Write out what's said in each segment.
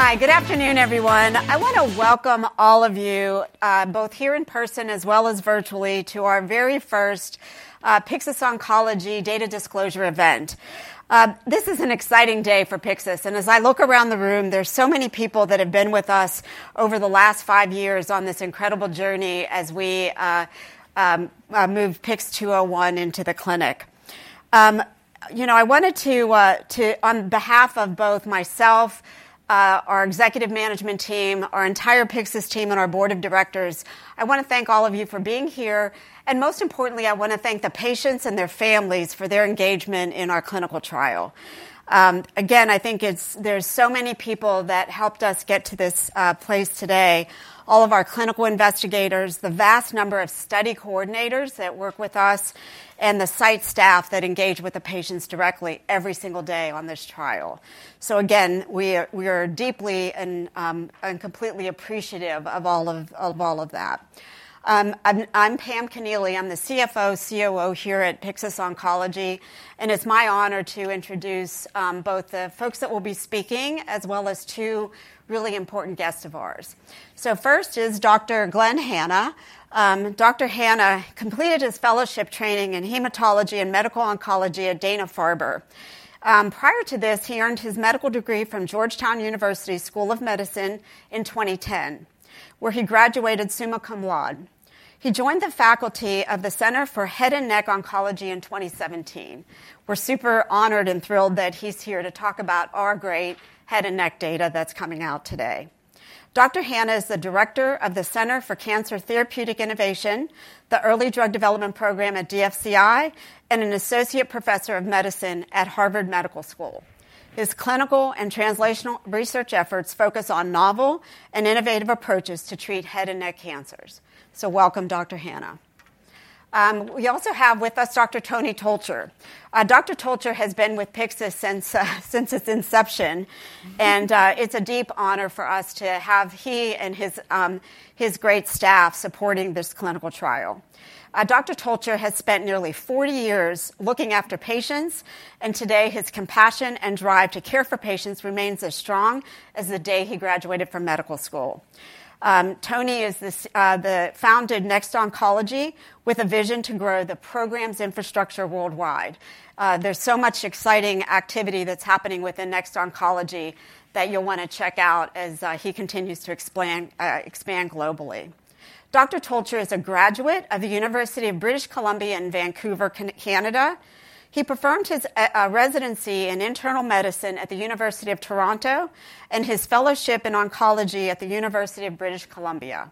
Hi, good afternoon, everyone. I want to welcome all of you, both here in person as well as virtually, to our very first Pyxis Oncology Data Disclosure event. This is an exciting day for Pyxis, and as I look around the room, there are so many people that have been with us over the last five years on this incredible journey as we move PYX-201 into the clinic. You know, I wanted to, on behalf of both myself, our executive management team, our entire Pyxis team, and our board of directors, I want to thank all of you for being here, and most importantly, I want to thank the patients and their families for their engagement in our clinical trial. Again, I think there are so many people that helped us get to this place today: all of our clinical investigators, the vast number of study coordinators that work with us, and the site staff that engage with the patients directly every single day on this trial. So again, we are deeply and completely appreciative of all of that. I'm Pam Connealy. I'm the CFO/COO here at Pyxis Oncology, and it's my honor to introduce both the folks that will be speaking as well as two really important guests of ours. So first is Dr. Glenn Hanna. Dr. Hanna completed his fellowship training in hematology and medical oncology at Dana-Farber. Prior to this, he earned his medical degree from Georgetown University School of Medicine in 2010, where he graduated summa cum laude. He joined the faculty of the Center for Head and Neck Oncology in 2017. We're super honored and thrilled that he's here to talk about our great head and neck data that's coming out today. Dr. Hanna is the director of the Center for Cancer Therapeutic Innovation, the Early Drug Development Program at DFCI, and an associate professor of medicine at Harvard Medical School. His clinical and translational research efforts focus on novel and innovative approaches to treat head and neck cancers. So welcome, Dr. Hanna. We also have with us Dr. Tony Tolcher. Dr. Tolcher has been with Pyxis since its inception, and it's a deep honor for us to have he and his great staff supporting this clinical trial. Dr. Tolcher has spent nearly 40 years looking after patients, and today his compassion and drive to care for patients remains as strong as the day he graduated from medical school. Tony is the founder of Next Oncology, with a vision to grow the program's infrastructure worldwide. There's so much exciting activity that's happening within Next Oncology that you'll want to check out as he continues to expand globally. Dr. Tolcher is a graduate of the University of British Columbia in Vancouver, Canada. He performed his residency in internal medicine at the University of Toronto and his fellowship in oncology at the University of British Columbia.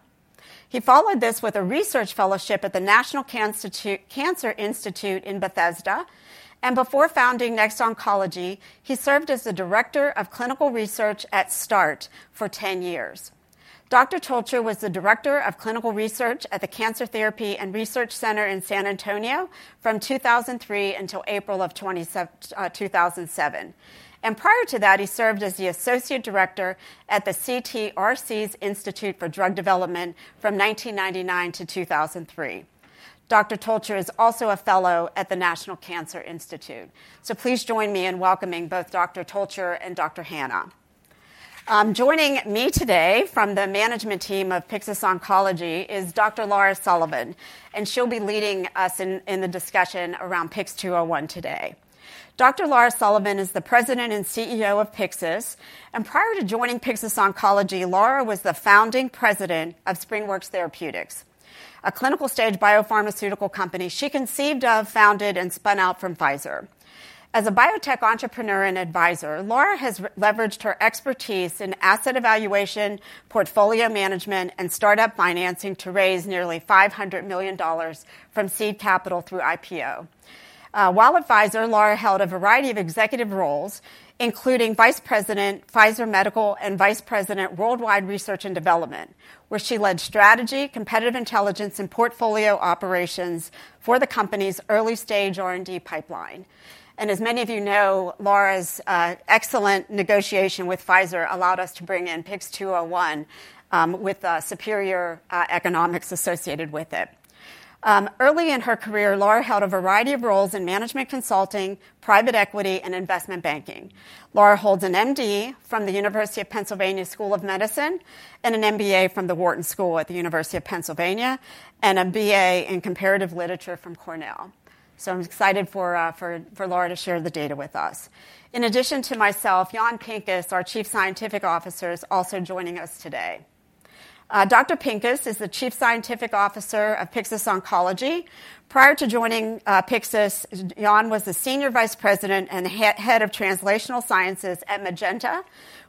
He followed this with a research fellowship at the National Cancer Institute in Bethesda, and before founding Next Oncology, he served as the Director of Clinical Research at START for 10 years. Dr. Tolcher was the director of clinical research at the Cancer Therapy and Research Center in San Antonio from 2003 until April of 2007. Prior to that, he served as the associate director at the CTRC's Institute for Drug Development from 1999 to 2003. Dr. Tolcher is also a fellow at the National Cancer Institute. Please join me in welcoming both Dr. Tolcher and Dr. Hanna. Joining me today from the management team of Pyxis Oncology is Dr. Lara Sullivan, and she'll be leading us in the discussion around PYX-201 today. Dr. Lara Sullivan is the President and CEO of Pyxis, and prior to joining Pyxis Oncology, Lara was the founding President of SpringWorks Therapeutics, a clinical stage biopharmaceutical company she conceived of, founded, and spun out from Pfizer. As a biotech entrepreneur and advisor, Lara has leveraged her expertise in asset evaluation, portfolio management, and startup financing to raise nearly $500 million from seed capital through IPO. While at Pfizer, Lara held a variety of executive roles, including Vice President, Pfizer Medical, and Vice President, Worldwide Research and Development, where she led strategy, competitive intelligence, and portfolio operations for the company's early stage R&D pipeline. And as many of you know, Lara's excellent negotiation with Pfizer allowed us to bring in PYX-201 with superior economics associated with it. Early in her career, Lara held a variety of roles in management consulting, private equity, and investment banking. Lara holds an MD from the University of Pennsylvania School of Medicine and an MBA from the Wharton School at the University of Pennsylvania and a BA in comparative literature from Cornell. So I'm excited for Lara to share the data with us. In addition to myself, Jan Pinkas, our Chief Scientific Officer, is also joining us today. Dr. Pinkas is the Chief Scientific Officer of Pyxis Oncology. Prior to joining Pyxis, Jan was the senior vice president and head of translational sciences at Magenta,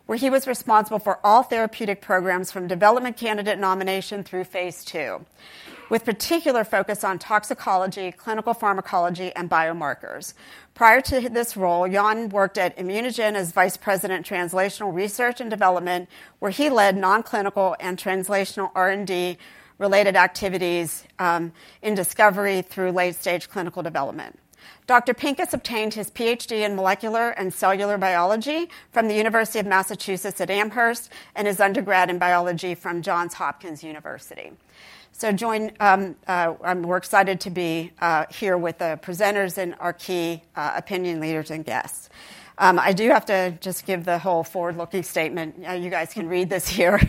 where he was responsible for all therapeutic programs from development candidate nomination through phase two, with particular focus on toxicology, clinical pharmacology, and biomarkers. Prior to this role, Jan worked at ImmunoGen as vice president, translational research and development, where he led non-clinical and translational R&D-related activities in discovery through late-stage clinical development. Dr. Pinkas obtained his PhD in molecular and cellular biology from the University of Massachusetts Amherst and his undergrad in biology from Johns Hopkins University. We're excited to be here with the presenters and our key opinion leaders and guests. I do have to just give the whole forward-looking statement. You guys can read this here.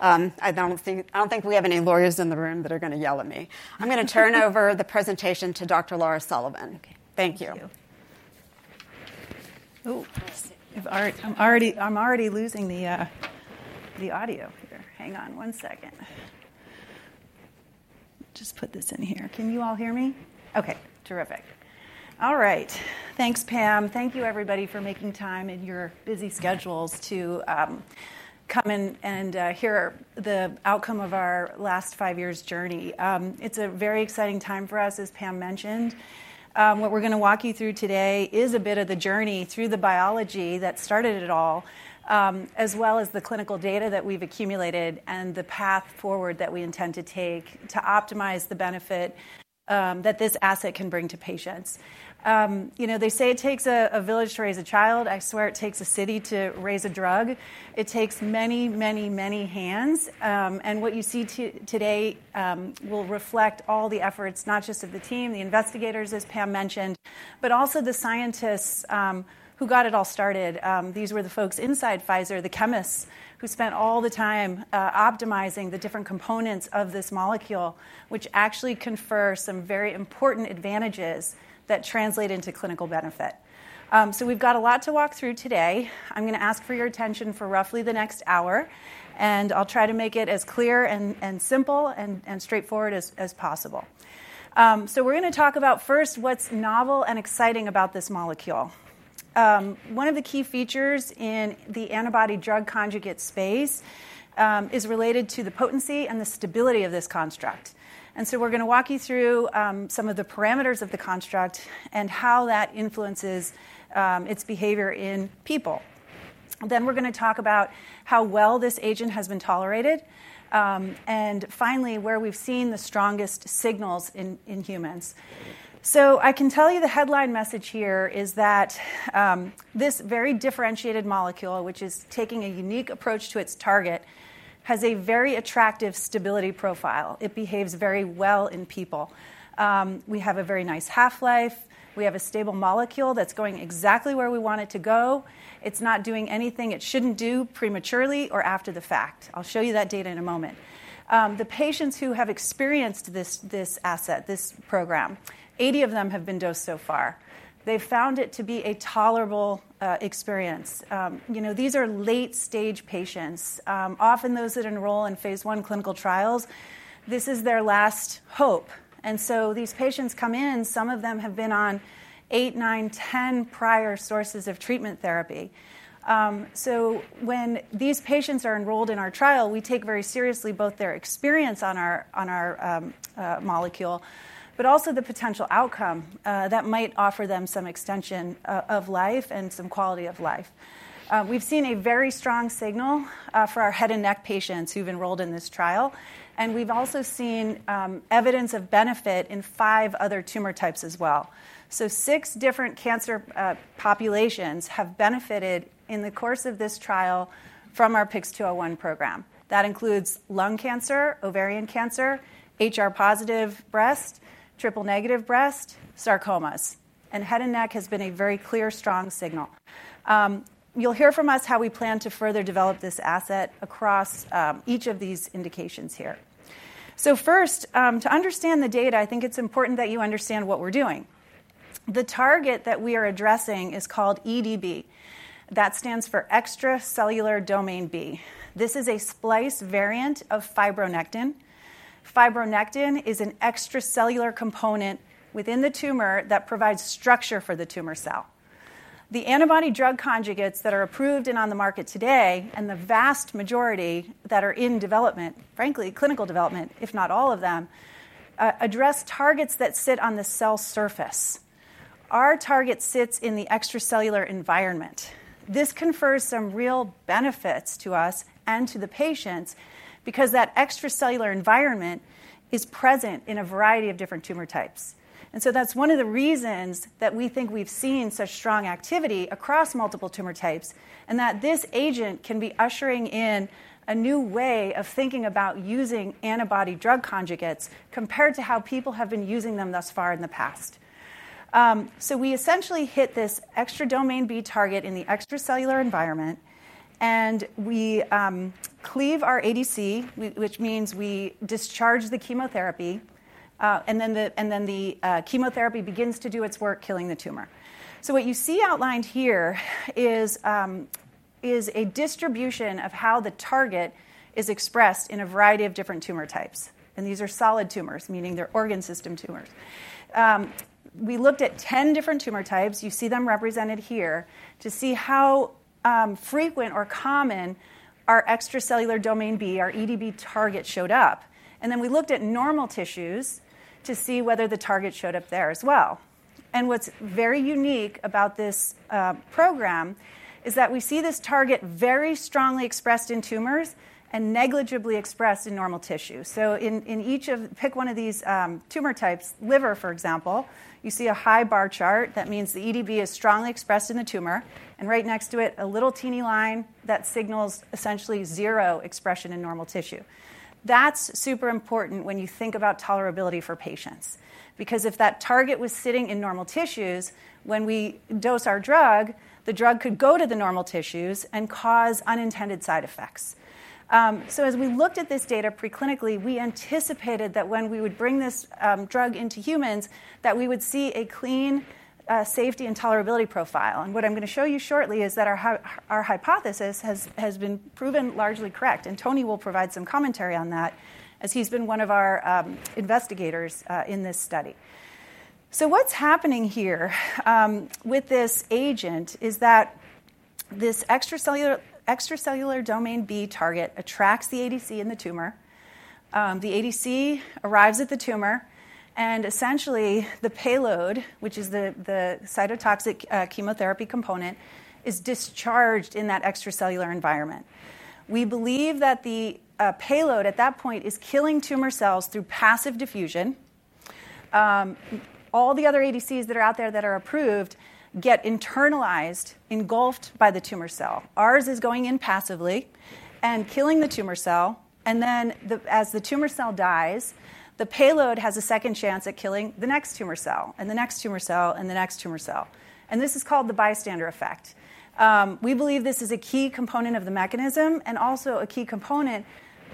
I don't think we have any lawyers in the room that are going to yell at me. I'm going to turn over the presentation to Dr. Lara Sullivan. Thank you. Oh, I'm already losing the audio here. Hang on one second. Just put this in here. Can you all hear me? Okay, terrific. All right, thanks, Pam. Thank you, everybody, for making time in your busy schedules to come and hear the outcome of our last five years' journey. It's a very exciting time for us, as Pam mentioned. What we're going to walk you through today is a bit of the journey through the biology that started it all, as well as the clinical data that we've accumulated and the path forward that we intend to take to optimize the benefit that this asset can bring to patients. You know, they say it takes a village to raise a child. I swear it takes a city to raise a drug. It takes many, many, many hands. What you see today will reflect all the efforts, not just of the team, the investigators, as Pam mentioned, but also the scientists who got it all started. These were the folks inside Pfizer, the chemists who spent all the time optimizing the different components of this molecule, which actually confer some very important advantages that translate into clinical benefit. We've got a lot to walk through today. I'm going to ask for your attention for roughly the next hour, and I'll try to make it as clear and simple and straightforward as possible. We're going to talk about first what's novel and exciting about this molecule. One of the key features in the antibody-drug conjugate space is related to the potency and the stability of this construct. And so we're going to walk you through some of the parameters of the construct and how that influences its behavior in people. Then we're going to talk about how well this agent has been tolerated and finally where we've seen the strongest signals in humans. So I can tell you the headline message here is that this very differentiated molecule, which is taking a unique approach to its target, has a very attractive stability profile. It behaves very well in people. We have a very nice half-life. We have a stable molecule that's going exactly where we want it to go. It's not doing anything it shouldn't do prematurely or after the fact. I'll show you that data in a moment. The patients who have experienced this asset, this program, 80 of them have been dosed so far. They've found it to be a tolerable experience. You know, these are late-stage patients, often those that enroll in phase one clinical trials. This is their last hope, and so these patients come in. Some of them have been on eight, nine, 10 prior sources of treatment therapy, so when these patients are enrolled in our trial, we take very seriously both their experience on our molecule, but also the potential outcome that might offer them some extension of life and some quality of life. We've seen a very strong signal for our head and neck patients who've enrolled in this trial, and we've also seen evidence of benefit in five other tumor types as well, so six different cancer populations have benefited in the course of this trial from our PYX-201 program. That includes lung cancer, ovarian cancer, HR-positive breast, triple-negative breast, sarcomas, and head and neck has been a very clear, strong signal. You'll hear from us how we plan to further develop this asset across each of these indications here. So first, to understand the data, I think it's important that you understand what we're doing. The target that we are addressing is called EDB. That stands for extracellular domain B. This is a splice variant of fibronectin. Fibronectin is an extracellular component within the tumor that provides structure for the tumor cell. The antibody-drug conjugates that are approved and on the market today, and the vast majority that are in development, frankly, clinical development, if not all of them, address targets that sit on the cell surface. Our target sits in the extracellular environment. This confers some real benefits to us and to the patients because that extracellular environment is present in a variety of different tumor types. That's one of the reasons that we think we've seen such strong activity across multiple tumor types and that this agent can be ushering in a new way of thinking about using antibody-drug conjugates compared to how people have been using them thus far in the past. We essentially hit this extracellular domain B target in the extracellular environment, and we cleave our ADC, which means we discharge the chemotherapy, and then the chemotherapy begins to do its work killing the tumor. What you see outlined here is a distribution of how the target is expressed in a variety of different tumor types. These are solid tumors, meaning they're organ system tumors. We looked at 10 different tumor types. You see them represented here to see how frequent or common our extracellular domain B, our EDB target, showed up. Then we looked at normal tissues to see whether the target showed up there as well. What's very unique about this program is that we see this target very strongly expressed in tumors and negligibly expressed in normal tissue. In each, pick one of these tumor types, liver, for example, you see a high bar chart. That means the EDB is strongly expressed in the tumor. Right next to it, a little teeny line that signals essentially zero expression in normal tissue. That's super important when you think about tolerability for patients because if that target was sitting in normal tissues, when we dose our drug, the drug could go to the normal tissues and cause unintended side effects. So as we looked at this data preclinically, we anticipated that when we would bring this drug into humans, that we would see a clean safety and tolerability profile. And what I'm going to show you shortly is that our hypothesis has been proven largely correct. And Tony will provide some commentary on that as he's been one of our investigators in this study. So what's happening here with this agent is that this extracellular domain B target attracts the ADC in the tumor. The ADC arrives at the tumor, and essentially the payload, which is the cytotoxic chemotherapy component, is discharged in that extracellular environment. We believe that the payload at that point is killing tumor cells through passive diffusion. All the other ADCs that are out there that are approved get internalized, engulfed by the tumor cell. Ours is going in passively and killing the tumor cell. And then as the tumor cell dies, the payload has a second chance at killing the next tumor cell and the next tumor cell and the next tumor cell. And this is called the bystander effect. We believe this is a key component of the mechanism and also a key component,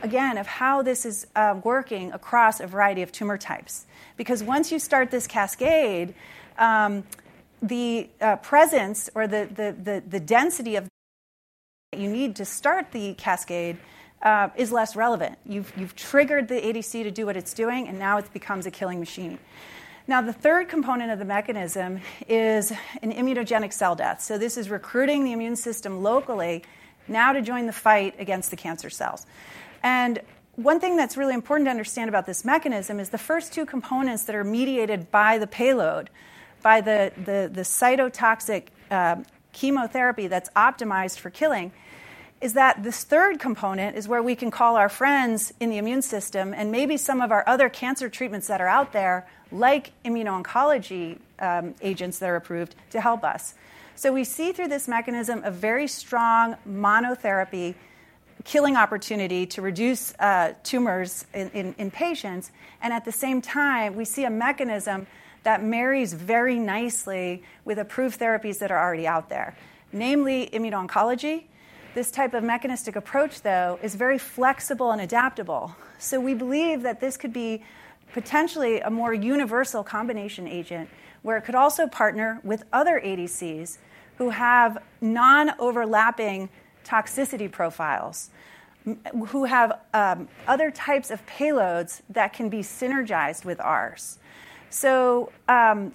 again, of how this is working across a variety of tumor types. Because once you start this cascade, the presence or the density of that you need to start the cascade is less relevant. You've triggered the ADC to do what it's doing, and now it becomes a killing machine. Now, the third component of the mechanism is an immunogenic cell death. So this is recruiting the immune system locally now to join the fight against the cancer cells. One thing that's really important to understand about this mechanism is the first two components that are mediated by the payload, by the cytotoxic chemotherapy that's optimized for killing, is that this third component is where we can call our friends in the immune system and maybe some of our other cancer treatments that are out there, like immuno-oncology agents that are approved, to help us. We see through this mechanism a very strong monotherapy killing opportunity to reduce tumors in patients. At the same time, we see a mechanism that marries very nicely with approved therapies that are already out there, namely immuno-oncology. This type of mechanistic approach, though, is very flexible and adaptable. We believe that this could be potentially a more universal combination agent where it could also partner with other ADCs who have non-overlapping toxicity profiles, who have other types of payloads that can be synergized with ours. So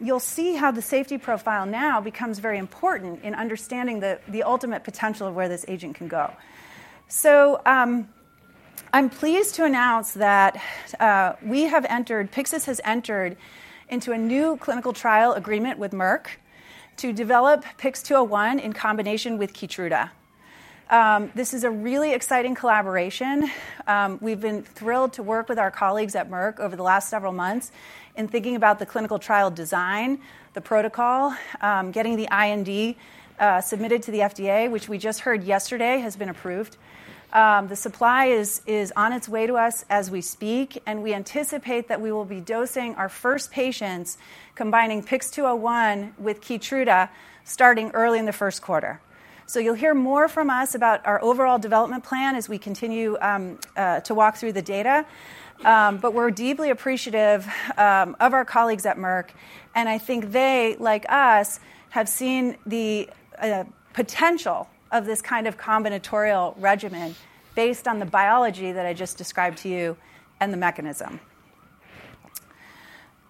you'll see how the safety profile now becomes very important in understanding the ultimate potential of where this agent can go. So I'm pleased to announce that Pyxis has entered into a new clinical trial agreement with Merck to develop PYX-201 in combination with KEYTRUDA. This is a really exciting collaboration. We've been thrilled to work with our colleagues at Merck over the last several months in thinking about the clinical trial design, the protocol, getting the IND submitted to the FDA, which we just heard yesterday has been approved. The supply is on its way to us as we speak, and we anticipate that we will be dosing our first patients combining PYX-201 with KEYTRUDA starting early in the first quarter, so you'll hear more from us about our overall development plan as we continue to walk through the data. But we're deeply appreciative of our colleagues at Merck, and I think they, like us, have seen the potential of this kind of combinatorial regimen based on the biology that I just described to you and the mechanism,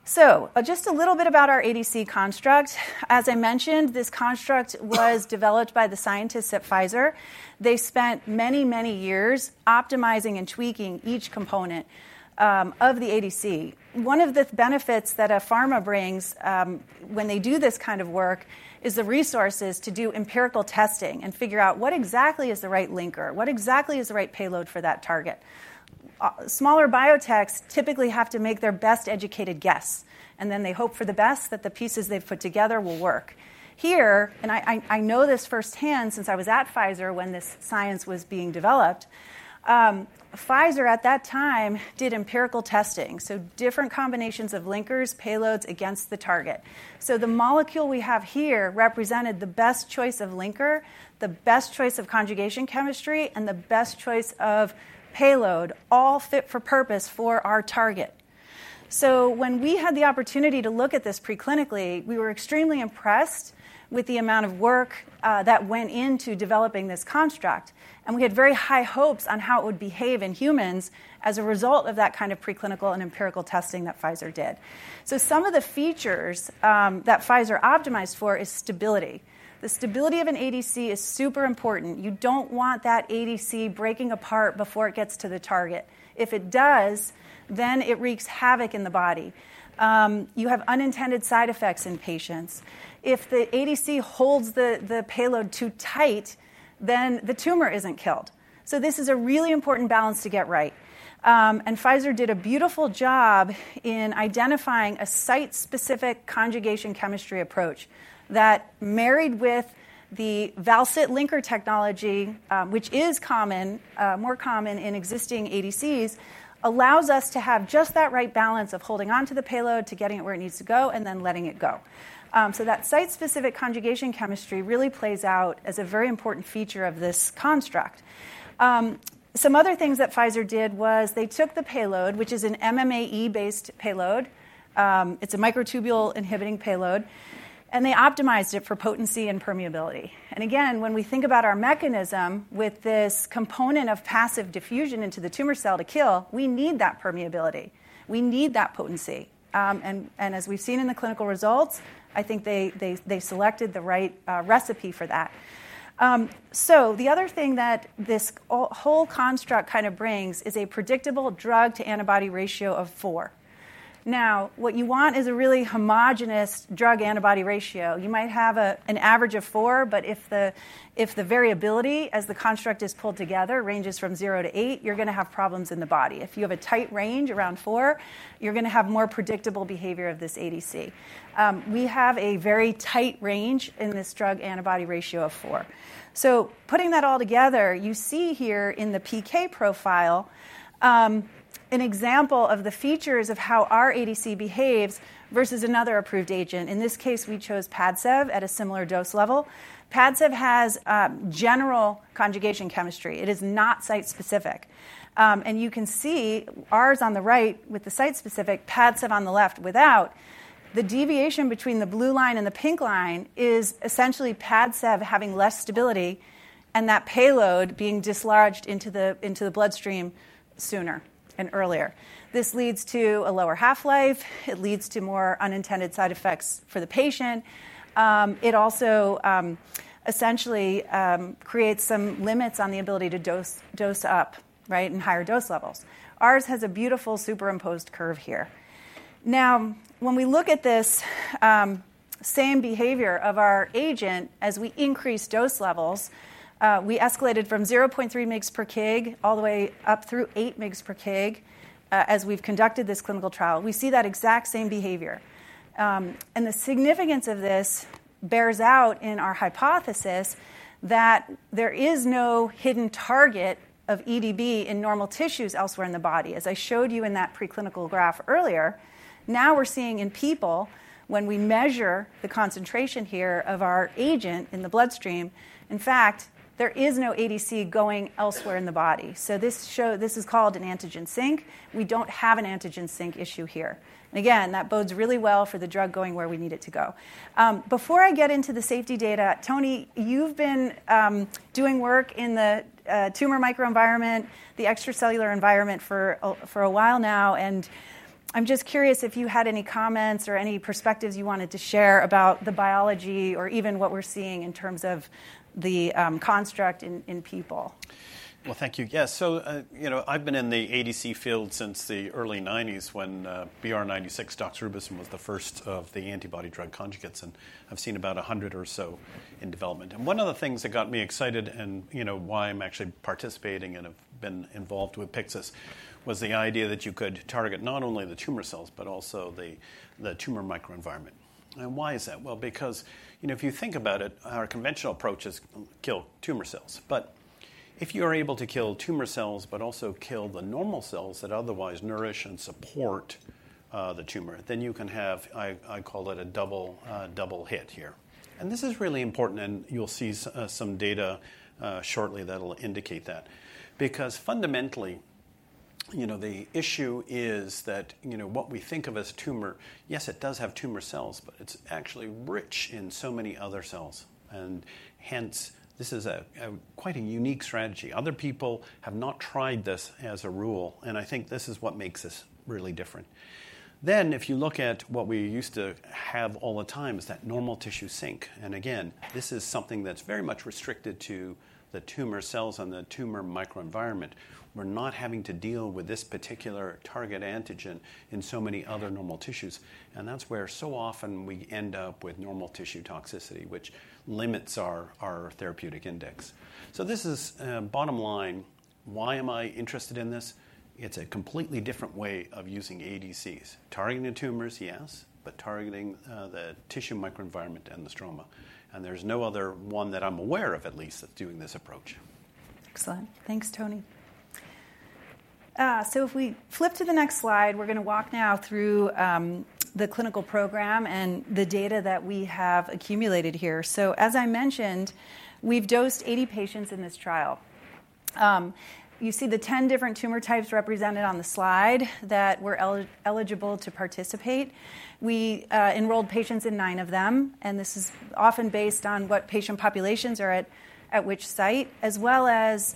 so just a little bit about our ADC construct. As I mentioned, this construct was developed by the scientists at Pfizer. They spent many, many years optimizing and tweaking each component of the ADC. One of the benefits that a pharma brings when they do this kind of work is the resources to do empirical testing and figure out what exactly is the right linker, what exactly is the right payload for that target. Smaller biotechs typically have to make their best educated guess, and then they hope for the best that the pieces they've put together will work. Here, and I know this firsthand since I was at Pfizer when this science was being developed, Pfizer at that time did empirical testing, so different combinations of linkers, payloads against the target. So the molecule we have here represented the best choice of linker, the best choice of conjugation chemistry, and the best choice of payload, all fit for purpose for our target. So when we had the opportunity to look at this preclinically, we were extremely impressed with the amount of work that went into developing this construct. And we had very high hopes on how it would behave in humans as a result of that kind of preclinical and empirical testing that Pfizer did. So some of the features that Pfizer optimized for is stability. The stability of an ADC is super important. You don't want that ADC breaking apart before it gets to the target. If it does, then it wreaks havoc in the body. You have unintended side effects in patients. If the ADC holds the payload too tight, then the tumor isn't killed. So this is a really important balance to get right. Pfizer did a beautiful job in identifying a site-specific conjugation chemistry approach that, married with the Val-Cit linker technology, which is more common in existing ADCs, allows us to have just that right balance of holding on to the payload to getting it where it needs to go and then letting it go. So that site-specific conjugation chemistry really plays out as a very important feature of this construct. Some other things that Pfizer did was they took the payload, which is an MMAE-based payload. It's a microtubule inhibiting payload. And they optimized it for potency and permeability. And again, when we think about our mechanism with this component of passive diffusion into the tumor cell to kill, we need that permeability. We need that potency. And as we've seen in the clinical results, I think they selected the right recipe for that. The other thing that this whole construct kind of brings is a predictable drug-to-antibody ratio of four. Now, what you want is a really homogeneous drug-antibody ratio. You might have an average of four, but if the variability, as the construct is pulled together, ranges from zero to eight, you're going to have problems in the body. If you have a tight range around four, you're going to have more predictable behavior of this ADC. We have a very tight range in this drug-antibody ratio of four. Putting that all together, you see here in the PK profile an example of the features of how our ADC behaves versus another approved agent. In this case, we chose PADCEV at a similar dose level. PADCEV has general conjugation chemistry. It is not site-specific. You can see ours on the right with the site-specific, PADCEV on the left without. The deviation between the blue line and the pink line is essentially PADCEV having less stability and that payload being dislodged into the bloodstream sooner and earlier. This leads to a lower half-life. It leads to more unintended side effects for the patient. It also essentially creates some limits on the ability to dose up, right, in higher dose levels. Ours has a beautiful superimposed curve here. Now, when we look at this same behavior of our agent as we increase dose levels, we escalated from 0.3 mg per kg all the way up through 8 mg per kg as we've conducted this clinical trial. We see that exact same behavior, and the significance of this bears out in our hypothesis that there is no hidden target of EDB in normal tissues elsewhere in the body. As I showed you in that preclinical graph earlier, now we're seeing in people, when we measure the concentration here of our agent in the bloodstream, in fact, there is no ADC going elsewhere in the body. So this is called an antigen sink. We don't have an antigen sink issue here. And again, that bodes really well for the drug going where we need it to go. Before I get into the safety data, Tony, you've been doing work in the tumor microenvironment, the extracellular environment for while now. And I'm just curious if you had any comments or any perspectives you wanted to share about the biology or even what we're seeing in terms of the construct in people. Well, thank you. Yeah. So I've been in the ADC field since the early 1990s when BR96 doxorubicin was the first of the antibody-drug conjugates. I've seen about 100 or so in development. One of the things that got me excited and why I'm actually participating and have been involved with Pyxis was the idea that you could target not only the tumor cells but also the tumor microenvironment. Why is that? Well, because if you think about it, our conventional approach is kill tumor cells, but if you are able to kill tumor cells but also kill the normal cells that otherwise nourish and support the tumor, then you can have, I call it, a double hit here. This is really important. You'll see some data shortly that'll indicate that. Because fundamentally, the issue is that what we think of as tumor, yes, it does have tumor cells, but it's actually rich in so many other cells. Hence, this is quite a unique strategy. Other people have not tried this as a rule, and I think this is what makes this really different. Then if you look at what we used to have all the time, it's that normal tissue sink. And again, this is something that's very much restricted to the tumor cells and the tumor microenvironment. We're not having to deal with this particular target antigen in so many other normal tissues. And that's where so often we end up with normal tissue toxicity, which limits our therapeutic index. So this is bottom line. Why am I interested in this? It's a completely different way of using ADCs. Targeting the tumors, yes, but targeting the tissue microenvironment and the stroma. And there's no other one that I'm aware of, at least, that's doing this approach. Excellent. Thanks, Tony. So if we flip to the next slide, we're going to walk now through the clinical program and the data that we have accumulated here. So as I mentioned, we've dosed 80 patients in this trial. You see the 10 different tumor types represented on the slide that were eligible to participate. We enrolled patients in nine of them. And this is often based on what patient populations are at which site, as well as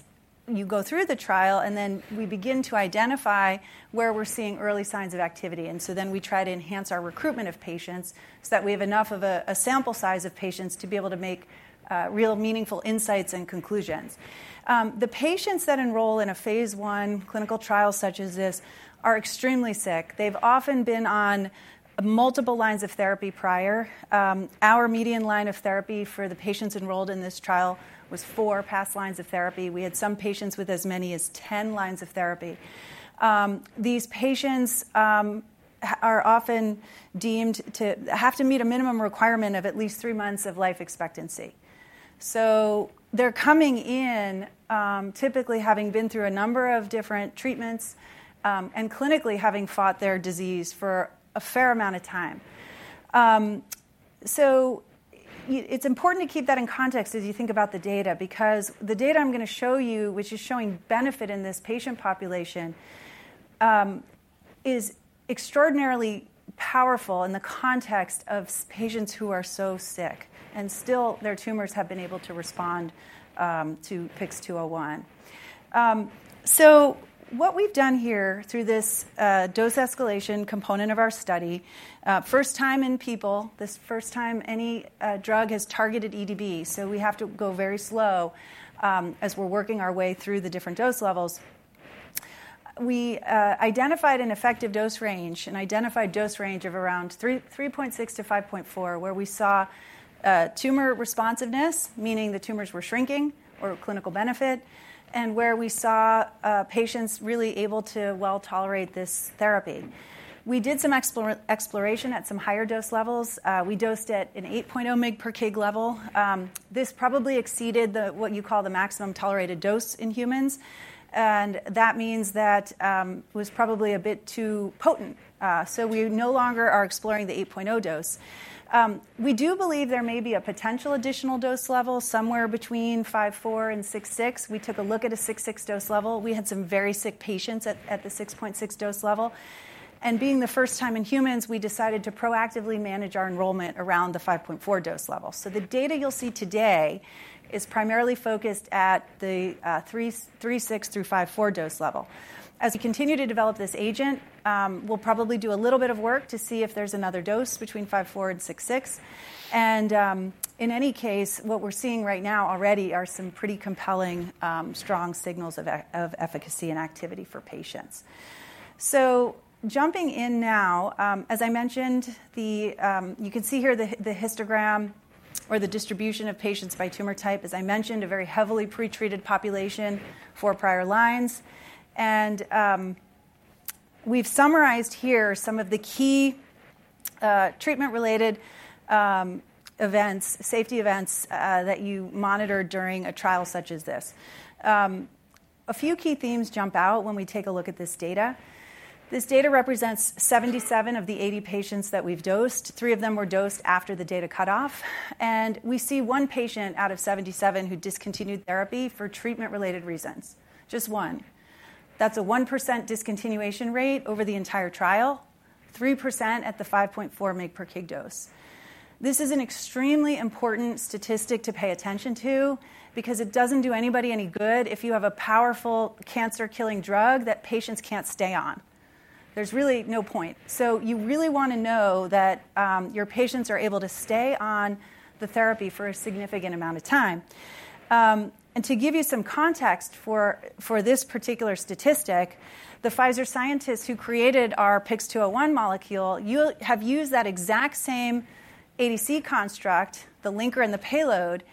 you go through the trial, and then we begin to identify where we're seeing early signs of activity. And so then we try to enhance our recruitment of patients so that we have enough of a sample size of patients to be able to make real meaningful insights and conclusions. The patients that enroll in a phase I clinical trial such as this are extremely sick. They've often been on multiple lines of therapy prior. Our median line of therapy for the patients enrolled in this trial was four past lines of therapy. We had some patients with as many as 10 lines of therapy. These patients are often deemed to have to meet a minimum requirement of at least three months of life expectancy. So they're coming in typically having been through a number of different treatments and clinically having fought their disease for a fair amount of time. So it's important to keep that in context as you think about the data. Because the data I'm going to show you, which is showing benefit in this patient population, is extraordinarily powerful in the context of patients who are so sick, and still, their tumors have been able to respond to PYX-201. So what we've done here through this dose escalation component of our study, first time in people, this first time any drug has targeted EDB, so we have to go very slow as we're working our way through the different dose levels. We identified an effective dose range and identified a dose range of around 3.6-5.4, where we saw tumor responsiveness, meaning the tumors were shrinking or clinical benefit, and where we saw patients really able to well tolerate this therapy. We did some exploration at some higher dose levels. We dosed it in 8.0 mg per kg level. This probably exceeded what you call the maximum tolerated dose in humans. And that means that it was probably a bit too potent. So we no longer are exploring the 8.0 dose. We do believe there may be a potential additional dose level somewhere between 5.4 and 6.6. We took a look at a 6.6 dose level. We had some very sick patients at the 6.6 dose level, and being the first time in humans, we decided to proactively manage our enrollment around the 5.4 dose level, so the data you'll see today is primarily focused at the 3.6 through 5.4 dose level. As we continue to develop this agent, we'll probably do a little bit of work to see if there's another dose between 5.4 and 6.6, and in any case, what we're seeing right now already are some pretty compelling, strong signals of efficacy and activity for patients, so jumping in now, as I mentioned, you can see here the histogram or the distribution of patients by tumor type, as I mentioned, a very heavily pretreated population for prior lines. We've summarized here some of the key treatment-related events, safety events that you monitor during a trial such as this. A few key themes jump out when we take a look at this data. This data represents 77 of the 80 patients that we've dosed. Three of them were dosed after the data cut off, and we see one patient out of 77 who discontinued therapy for treatment-related reasons, just one. That's a 1% discontinuation rate over the entire trial, 3% at the 5.4 mg per kg dose. This is an extremely important statistic to pay attention to because it doesn't do anybody any good if you have a powerful cancer-killing drug that patients can't stay on. There's really no point. You really want to know that your patients are able to stay on the therapy for a significant amount of time. To give you some context for this particular statistic, the Pfizer scientists who created our PYX-201 molecule have used that exact same ADC construct, the linker and the payload,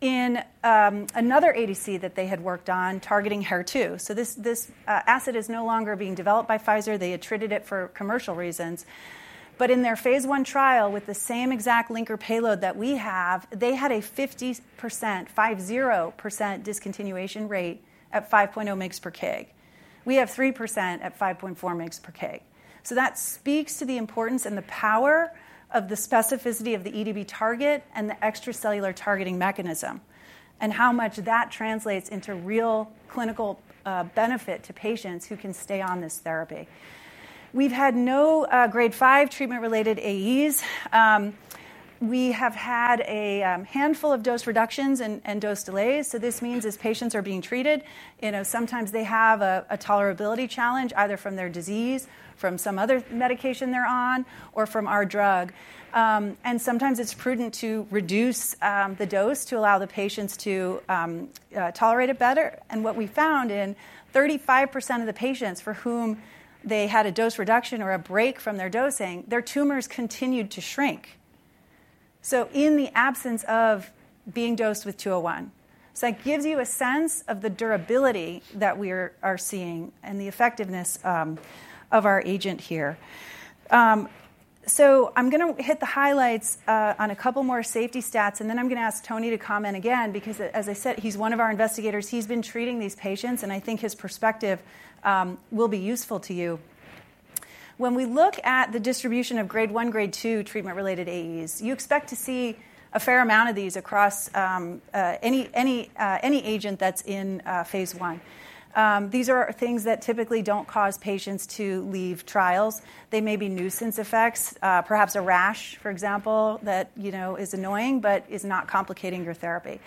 in another ADC that they had worked on targeting HER2. This ADC is no longer being developed by Pfizer. They attrited it for commercial reasons. In their phase 1 trial with the same exact linker payload that we have, they had a 50%, 5.0% discontinuation rate at 5.0 mg per kg. We have 3% at 5.4 mg per kg. That speaks to the importance and the power of the specificity of the EDB target and the extracellular targeting mechanism and how much that translates into real clinical benefit to patients who can stay on this therapy. We have had no Grade 5 treatment-related AEs. We have had a handful of dose reductions and dose delays. This means as patients are being treated, sometimes they have a tolerability challenge either from their disease, from some other medication they're on, or from our drug. Sometimes it's prudent to reduce the dose to allow the patients to tolerate it better. What we found in 35% of the patients for whom they had a dose reduction or a break from their dosing, their tumors continued to shrink. In the absence of being dosed with 201, that gives you a sense of the durability that we are seeing and the effectiveness of our agent here. I'm going to hit the highlights on a couple more safety stats. Then I'm going to ask Tony to comment again because, as I said, he's one of our investigators. He's been treating these patients. I think his perspective will be useful to you. When we look at the distribution of grade 1, grade 2 treatment-related AEs, you expect to see a fair amount of these across any agent that's in phase I. These are things that typically don't cause patients to leave trials. They may be nuisance effects, perhaps a rash, for example, that is annoying but is not complicating your therapy.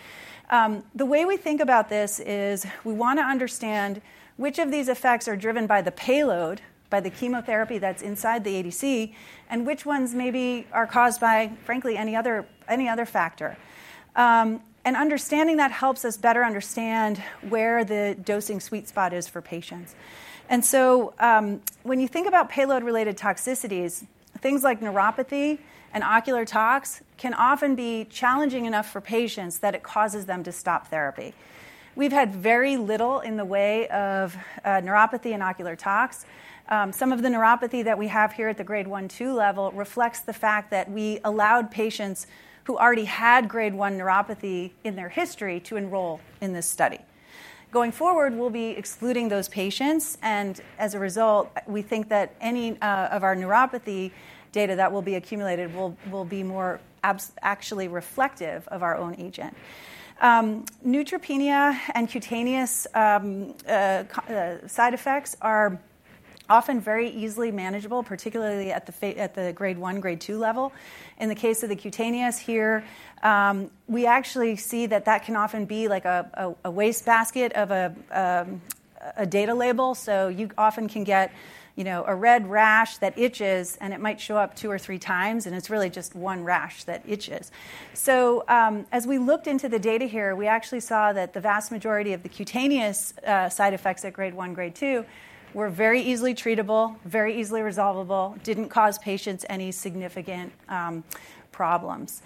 The way we think about this is we want to understand which of these effects are driven by the payload, by the chemotherapy that's inside the ADC, and which ones maybe are caused by, frankly, any other factor. And understanding that helps us better understand where the dosing sweet spot is for patients. And so when you think about payload-related toxicities, things like neuropathy and ocular tox can often be challenging enough for patients that it causes them to stop therapy. We've had very little in the way of neuropathy and ocular tox. Some of the neuropathy that we have here at the grade 1-2 level reflects the fact that we allowed patients who already had grade 1 neuropathy in their history to enroll in this study. Going forward, we'll be excluding those patients. And as a result, we think that any of our neuropathy data that will be accumulated will be more actually reflective of our own agent. Neutropenia and cutaneous side effects are often very easily manageable, particularly at the grade 1-2 level. In the case of the cutaneous here, we actually see that that can often be like a waste basket of a data label. So you often can get a red rash that itches. And it's really just one rash that itches. So as we looked into the data here, we actually saw that the vast majority of the cutaneous side effects at grade 1, grade 2 were very easily treatable, very easily resolvable, didn't cause patients any significant problems.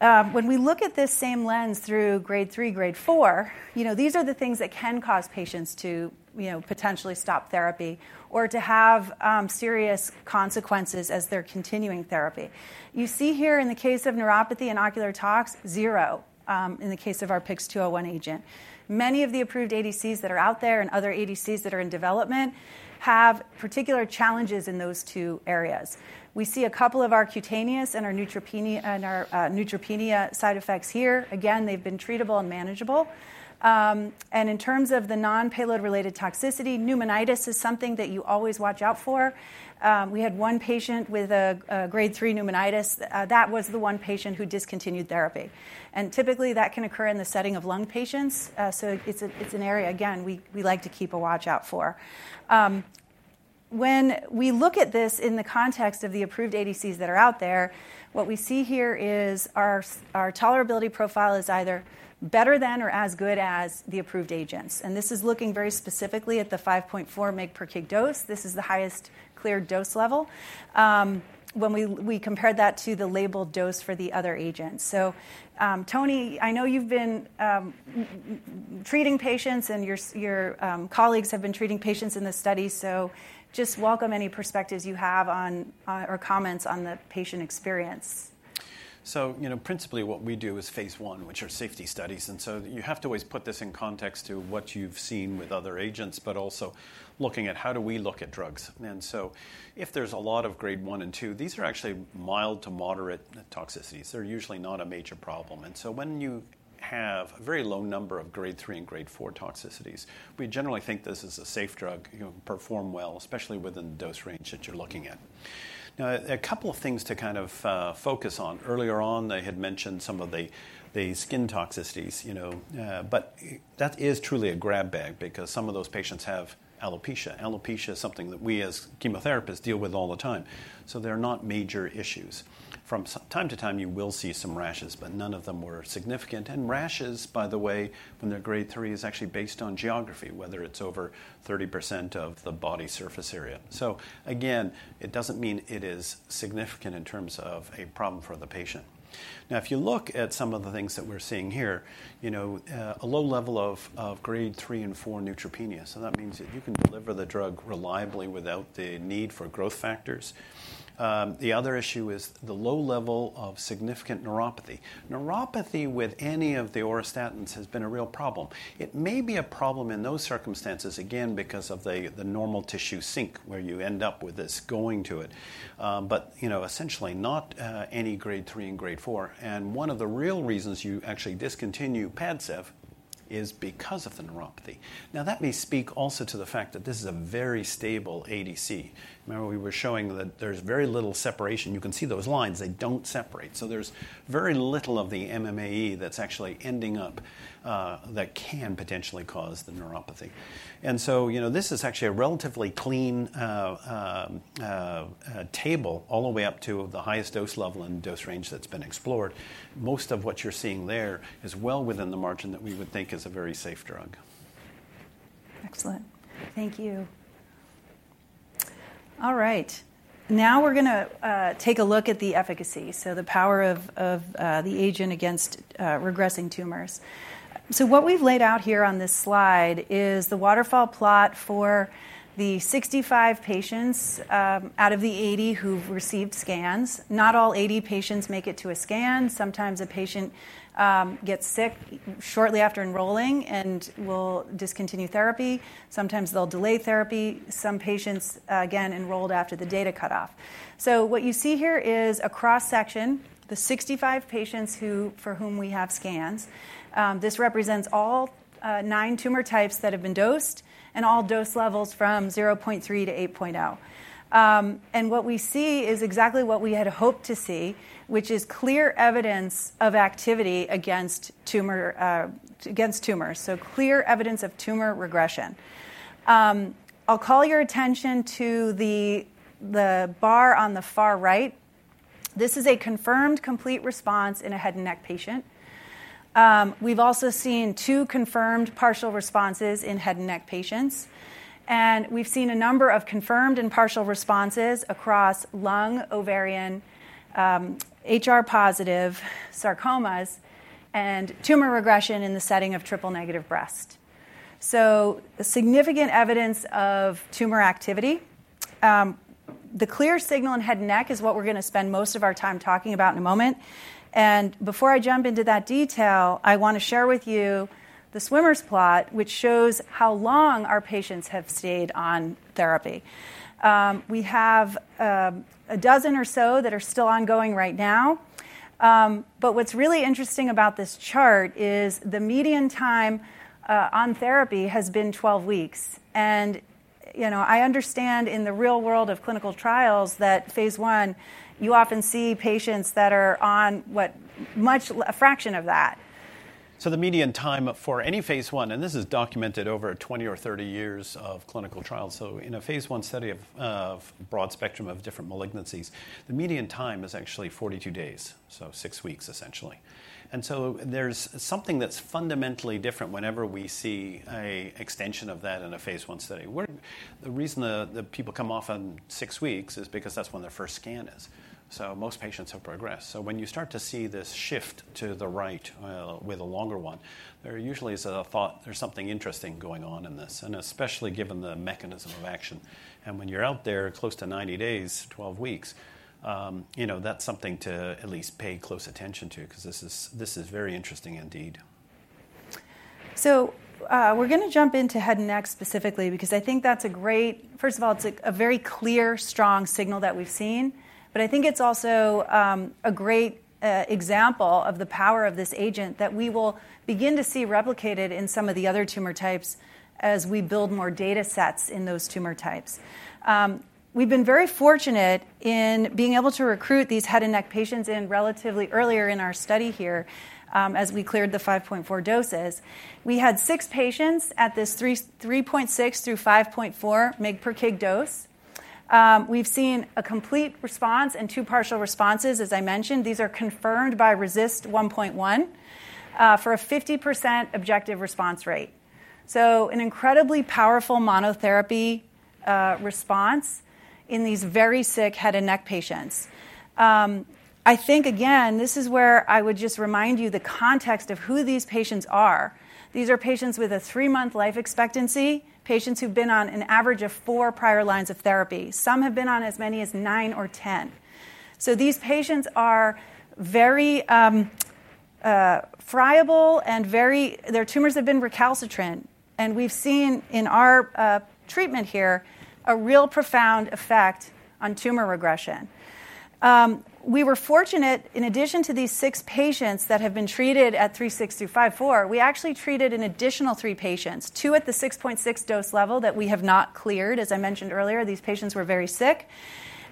When we look at this same lens through grade 3, grade 4, these are the things that can cause patients to potentially stop therapy or to have serious consequences as they're continuing therapy. You see here in the case of neuropathy and ocular tox, zero in the case of our PYX-201 agent. Many of the approved ADCs that are out there and other ADCs that are in development have particular challenges in those two areas. We see a couple of our cutaneous and our neutropenia side effects here. Again, they've been treatable and manageable. And in terms of the non-payload-related toxicity, pneumonitis is something that you always watch out for. We had one patient with a grade 3 pneumonitis. That was the one patient who discontinued therapy. And typically, that can occur in the setting of lung patients. So it's an area, again, we like to keep a watch out for. When we look at this in the context of the approved ADCs that are out there, what we see here is our tolerability profile is either better than or as good as the approved agents. And this is looking very specifically at the 5.4 mg per kg dose. This is the highest cleared dose level when we compared that to the labeled dose for the other agents. So Tony, I know you've been treating patients, and your colleagues have been treating patients in this study. So just welcome any perspectives you have or comments on the patient experience. Principally, what we do is phase one, which are safety studies. You have to always put this in context to what you've seen with other agents, but also looking at how do we look at drugs. If there's a lot of grade 1 and 2, these are actually mild to moderate toxicities. They're usually not a major problem. When you have a very low number of grade 3 and grade 4 toxicities, we generally think this is a safe drug that performs well, especially within the dose range that you're looking at. Now, a couple of things to kind of focus on. Earlier on, I had mentioned some of the skin toxicities. That is truly a grab bag because some of those patients have alopecia. Alopecia is something that we as chemotherapists deal with all the time. They're not major issues. From time to time, you will see some rashes, but none of them were significant. Rashes, by the way, when they're grade 3, is actually based on geography, whether it's over 30% of the body surface area. Again, it doesn't mean it is significant in terms of a problem for the patient. Now, if you look at some of the things that we're seeing here, a low level of grade 3 and 4 neutropenia. That means that you can deliver the drug reliably without the need for growth factors. The other issue is the low level of significant neuropathy. Neuropathy with any of the auristatins has been a real problem. It may be a problem in those circumstances, again, because of the antigen sink where you end up with this going to it, but essentially not any grade 3 and grade 4. One of the real reasons you actually discontinue PADCEV is because of the neuropathy. Now, that may speak also to the fact that this is a very stable ADC. Remember, we were showing that there's very little separation. You can see those lines. They don't separate. So there's very little of the MMAE that's actually ending up that can potentially cause the neuropathy. And so this is actually a relatively clean table all the way up to the highest dose level and dose range that's been explored. Most of what you're seeing there is well within the margin that we would think is a very safe drug. Excellent. Thank you. All right. Now we're going to take a look at the efficacy, so the power of the agent against regressing tumors. So what we've laid out here on this slide is the waterfall plot for the 65 patients out of the 80 who've received scans. Not all 80 patients make it to a scan. Sometimes a patient gets sick shortly after enrolling and will discontinue therapy. Sometimes they'll delay therapy. Some patients, again, enrolled after the data cut off. So what you see here is a cross-section, the 65 patients for whom we have scans. This represents all nine tumor types that have been dosed and all dose levels from 0.3-8.0. And what we see is exactly what we had hoped to see, which is clear evidence of activity against tumors, so clear evidence of tumor regression. I'll call your attention to the bar on the far right. This is a confirmed complete response in a head and neck patient. We've also seen two confirmed partial responses in head and neck patients, and we've seen a number of confirmed and partial responses across lung, ovarian, HR positive sarcomas and tumor regression in the setting of triple negative breast, so significant evidence of tumor activity. The clear signal in head and neck is what we're going to spend most of our time talking about in a moment, and before I jump into that detail, I want to share with you the Swimmers plot, which shows how long our patients have stayed on therapy. We have a dozen or so that are still ongoing right now, but what's really interesting about this chart is the median time on therapy has been 12 weeks, and I understand in the real world of clinical trials that phase one, you often see patients that are on what, a fraction of that. The median time for any phase I, and this is documented over 20 or 30 years of clinical trials. In a phase 1 study of broad spectrum of different malignancies, the median time is actually 42 days, so six weeks, essentially. There's something that's fundamentally different whenever we see an extension of that in a phase I study. The reason that people come off on six weeks is because that's when their first scan is. Most patients have progressed. When you start to see this shift to the right with a longer one, there usually is a thought there's something interesting going on in this, and especially given the mechanism of action. When you're out there close to 90 days, 12 weeks, that's something to at least pay close attention to because this is very interesting indeed. So we're going to jump into head and neck specifically because I think that's a great first of all, it's a very clear, strong signal that we've seen. But I think it's also a great example of the power of this agent that we will begin to see replicated in some of the other tumor types as we build more data sets in those tumor types. We've been very fortunate in being able to recruit these head and neck patients in relatively earlier in our study here as we cleared the 5.4 doses. We had six patients at this 3.6 through 5.4 mg per kg dose. We've seen a complete response and two partial responses. As I mentioned, these are confirmed by RECIST 1.1 for a 50% objective response rate. So an incredibly powerful monotherapy response in these very sick head and neck patients. I think, again, this is where I would just remind you the context of who these patients are. These are patients with a three-month life expectancy, patients who've been on an average of four prior lines of therapy. Some have been on as many as nine or 10. So these patients are very frail, and their tumors have been recalcitrant. And we've seen in our treatment here a real profound effect on tumor regression. We were fortunate, in addition to these six patients that have been treated at 3.6 through 5.4, we actually treated an additional three patients, two at the 6.6 dose level that we have not cleared. As I mentioned earlier, these patients were very sick.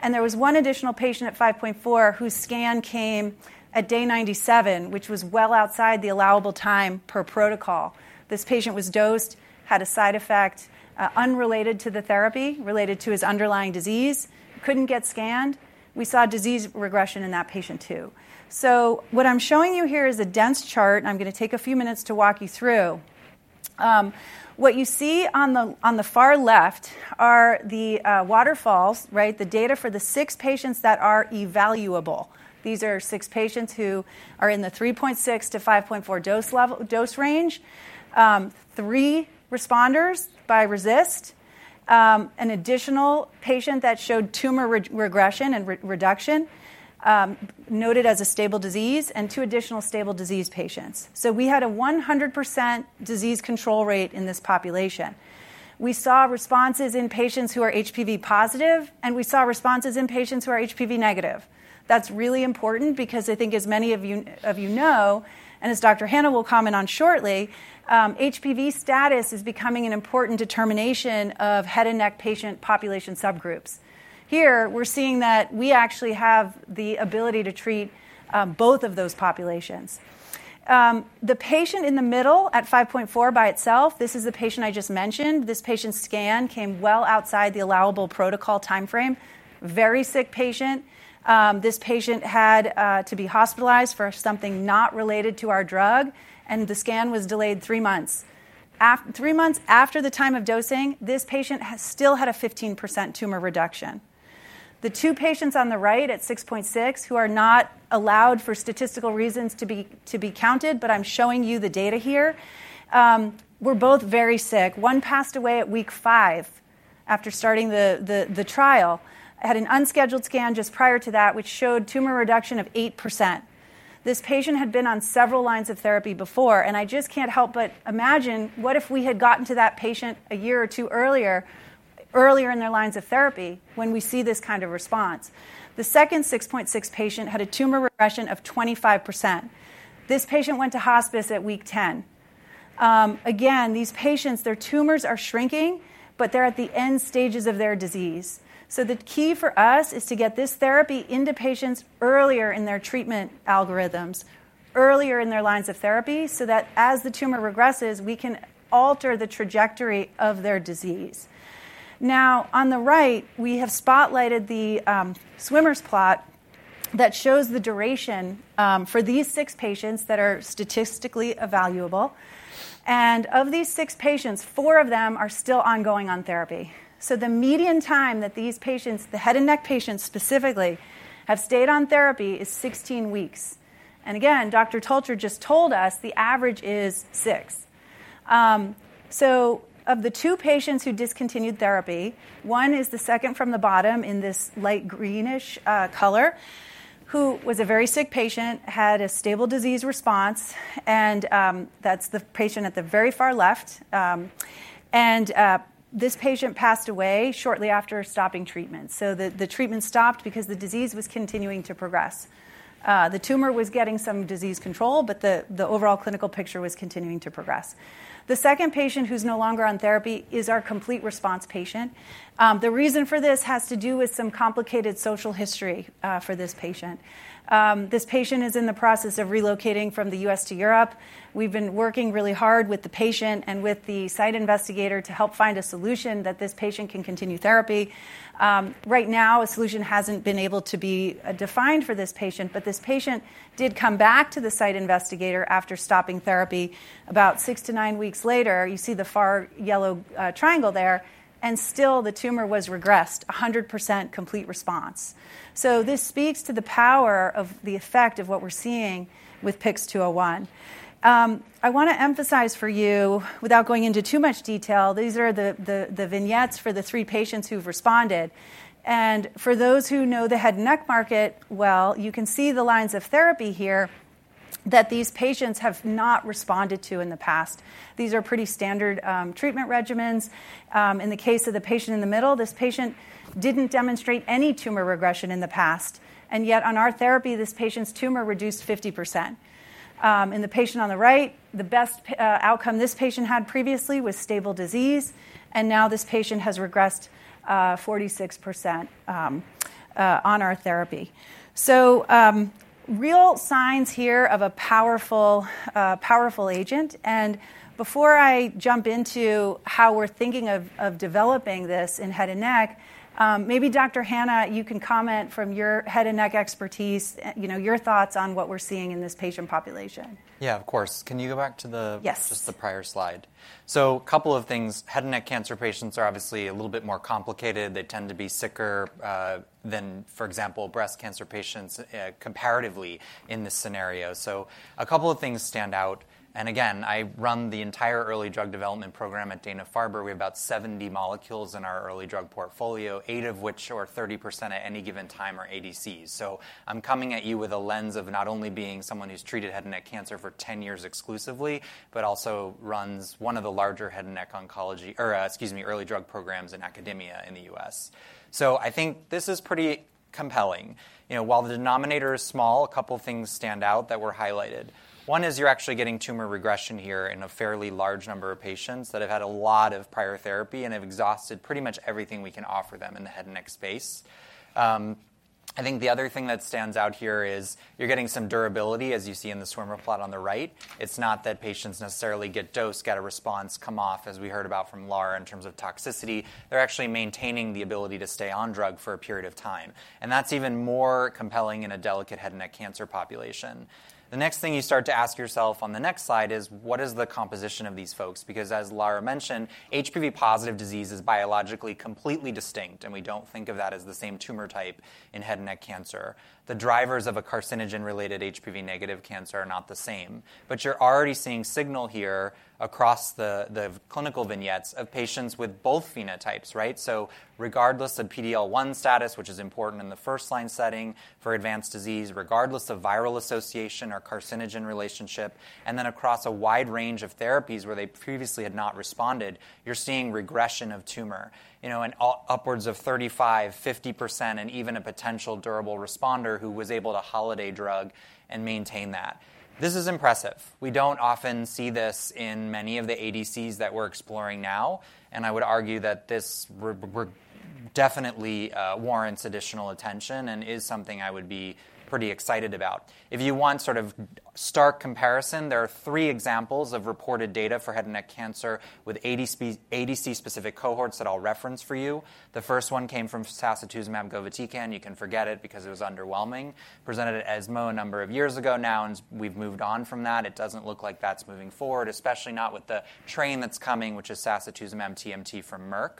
And there was one additional patient at 5.4 whose scan came at day 97, which was well outside the allowable time per protocol. This patient was dosed, had a side effect unrelated to the therapy, related to his underlying disease, couldn't get scanned. We saw disease regression in that patient too. So what I'm showing you here is a dense chart. And I'm going to take a few minutes to walk you through. What you see on the far left are the waterfalls, the data for the six patients that are evaluable. These are six patients who are in the 3.6-5.4 dose range, three responders by RECIST, an additional patient that showed tumor regression and reduction noted as a stable disease, and two additional stable disease patients. So we had a 100% disease control rate in this population. We saw responses in patients who are HPV positive, and we saw responses in patients who are HPV negative. That's really important because I think, as many of you know, and as Dr. Hanna will comment on shortly. HPV status is becoming an important determination of head and neck patient population subgroups. Here, we're seeing that we actually have the ability to treat both of those populations. The patient in the middle at 5.4 by itself, this is the patient I just mentioned. This patient's scan came well outside the allowable protocol time frame, very sick patient. This patient had to be hospitalized for something not related to our drug, and the scan was delayed three months. Three months after the time of dosing, this patient still had a 15% tumor reduction. The two patients on the right at 6.6 who are not allowed for statistical reasons to be counted, but I'm showing you the data here, were both very sick. One passed away at week five after starting the trial, had an unscheduled scan just prior to that, which showed tumor reduction of 8%. This patient had been on several lines of therapy before, and I just can't help but imagine, what if we had gotten to that patient a year or two earlier in their lines of therapy when we see this kind of response? The second 6.6 patient had a tumor regression of 25%. This patient went to hospice at week 10. Again, these patients, their tumors are shrinking, but they're at the end stages of their disease, so the key for us is to get this therapy into patients earlier in their treatment algorithms, earlier in their lines of therapy so that as the tumor regresses, we can alter the trajectory of their disease. Now, on the right, we have spotlighted the swimmers plot that shows the duration for these six patients that are statistically evaluable. And of these six patients, four of them are still ongoing on therapy. So the median time that these patients, the head and neck patients specifically, have stayed on therapy is 16 weeks. And again, Dr. Tolcher just told us the average is six. So of the two patients who discontinued therapy, one is the second from the bottom in this light greenish color who was a very sick patient, had a stable disease response. And that's the patient at the very far left. And this patient passed away shortly after stopping treatment. So the treatment stopped because the disease was continuing to progress. The tumor was getting some disease control, but the overall clinical picture was continuing to progress. The second patient who's no longer on therapy is our complete response patient. The reason for this has to do with some complicated social history for this patient. This patient is in the process of relocating from the U.S. to Europe. We've been working really hard with the patient and with the site investigator to help find a solution that this patient can continue therapy. Right now, a solution hasn't been able to be defined for this patient, but this patient did come back to the site investigator after stopping therapy about six to nine weeks later. You see the far yellow triangle there, and still, the tumor was regressed, 100% complete response, so this speaks to the power of the effect of what we're seeing with PYX-201. I want to emphasize for you, without going into too much detail, these are the vignettes for the three patients who've responded. For those who know the head and neck market well, you can see the lines of therapy here that these patients have not responded to in the past. These are pretty standard treatment regimens. In the case of the patient in the middle, this patient didn't demonstrate any tumor regression in the past. Yet, on our therapy, this patient's tumor reduced 50%. The patient on the right, the best outcome this patient had previously was stable disease. Now this patient has regressed 46% on our therapy. Real signs here of a powerful agent. Before I jump into how we're thinking of developing this in head and neck, maybe Dr. Hanna, you can comment from your head and neck expertise, your thoughts on what we're seeing in this patient population. Yeah, of course. Can you go back to just the prior slide? A couple of things. Head and neck cancer patients are obviously a little bit more complicated. They tend to be sicker than, for example, breast cancer patients comparatively in this scenario. A couple of things stand out. And again, I run the entire early drug development program at Dana-Farber. We have about 70 molecules in our early drug portfolio, eight of which are 30% at any given time are ADCs. I'm coming at you with a lens of not only being someone who's treated head and neck cancer for 10 years exclusively, but also runs one of the larger head and neck oncology or, excuse me, early drug programs in academia in the U.S. I think this is pretty compelling. While the denominator is small, a couple of things stand out that were highlighted. One is you're actually getting tumor regression here in a fairly large number of patients that have had a lot of prior therapy and have exhausted pretty much everything we can offer them in the head and neck space. I think the other thing that stands out here is you're getting some durability, as you see in the swimmers plot on the right. It's not that patients necessarily get dosed, get a response, come off, as we heard about from Lara in terms of toxicity. They're actually maintaining the ability to stay on drug for a period of time. And that's even more compelling in a delicate head and neck cancer population. The next thing you start to ask yourself on the next slide is, what is the composition of these folks? Because as Lara mentioned, HPV positive disease is biologically completely distinct. We don't think of that as the same tumor type in head and neck cancer. The drivers of a carcinogen-related HPV negative cancer are not the same. You're already seeing signal here across the clinical vignettes of patients with both phenotypes. Regardless of PD-L1 status, which is important in the first line setting for advanced disease, regardless of viral association or carcinogen relationship, and then across a wide range of therapies where they previously had not responded, you're seeing regression of tumor and upwards of 35%, 50%, and even a potential durable responder who was able to holiday drug and maintain that. This is impressive. We don't often see this in many of the ADCs that we're exploring now. I would argue that this definitely warrants additional attention and is something I would be pretty excited about. If you want sort of stark comparison, there are three examples of reported data for head and neck cancer with ADC-specific cohorts that I'll reference for you. The first one came from sacituzumab govitecan. You can forget it because it was underwhelming. Presented at ESMO a number of years ago now, and we've moved on from that. It doesn't look like that's moving forward, especially not with the train that's coming, which is sacituzumab tirumotecan from Merck.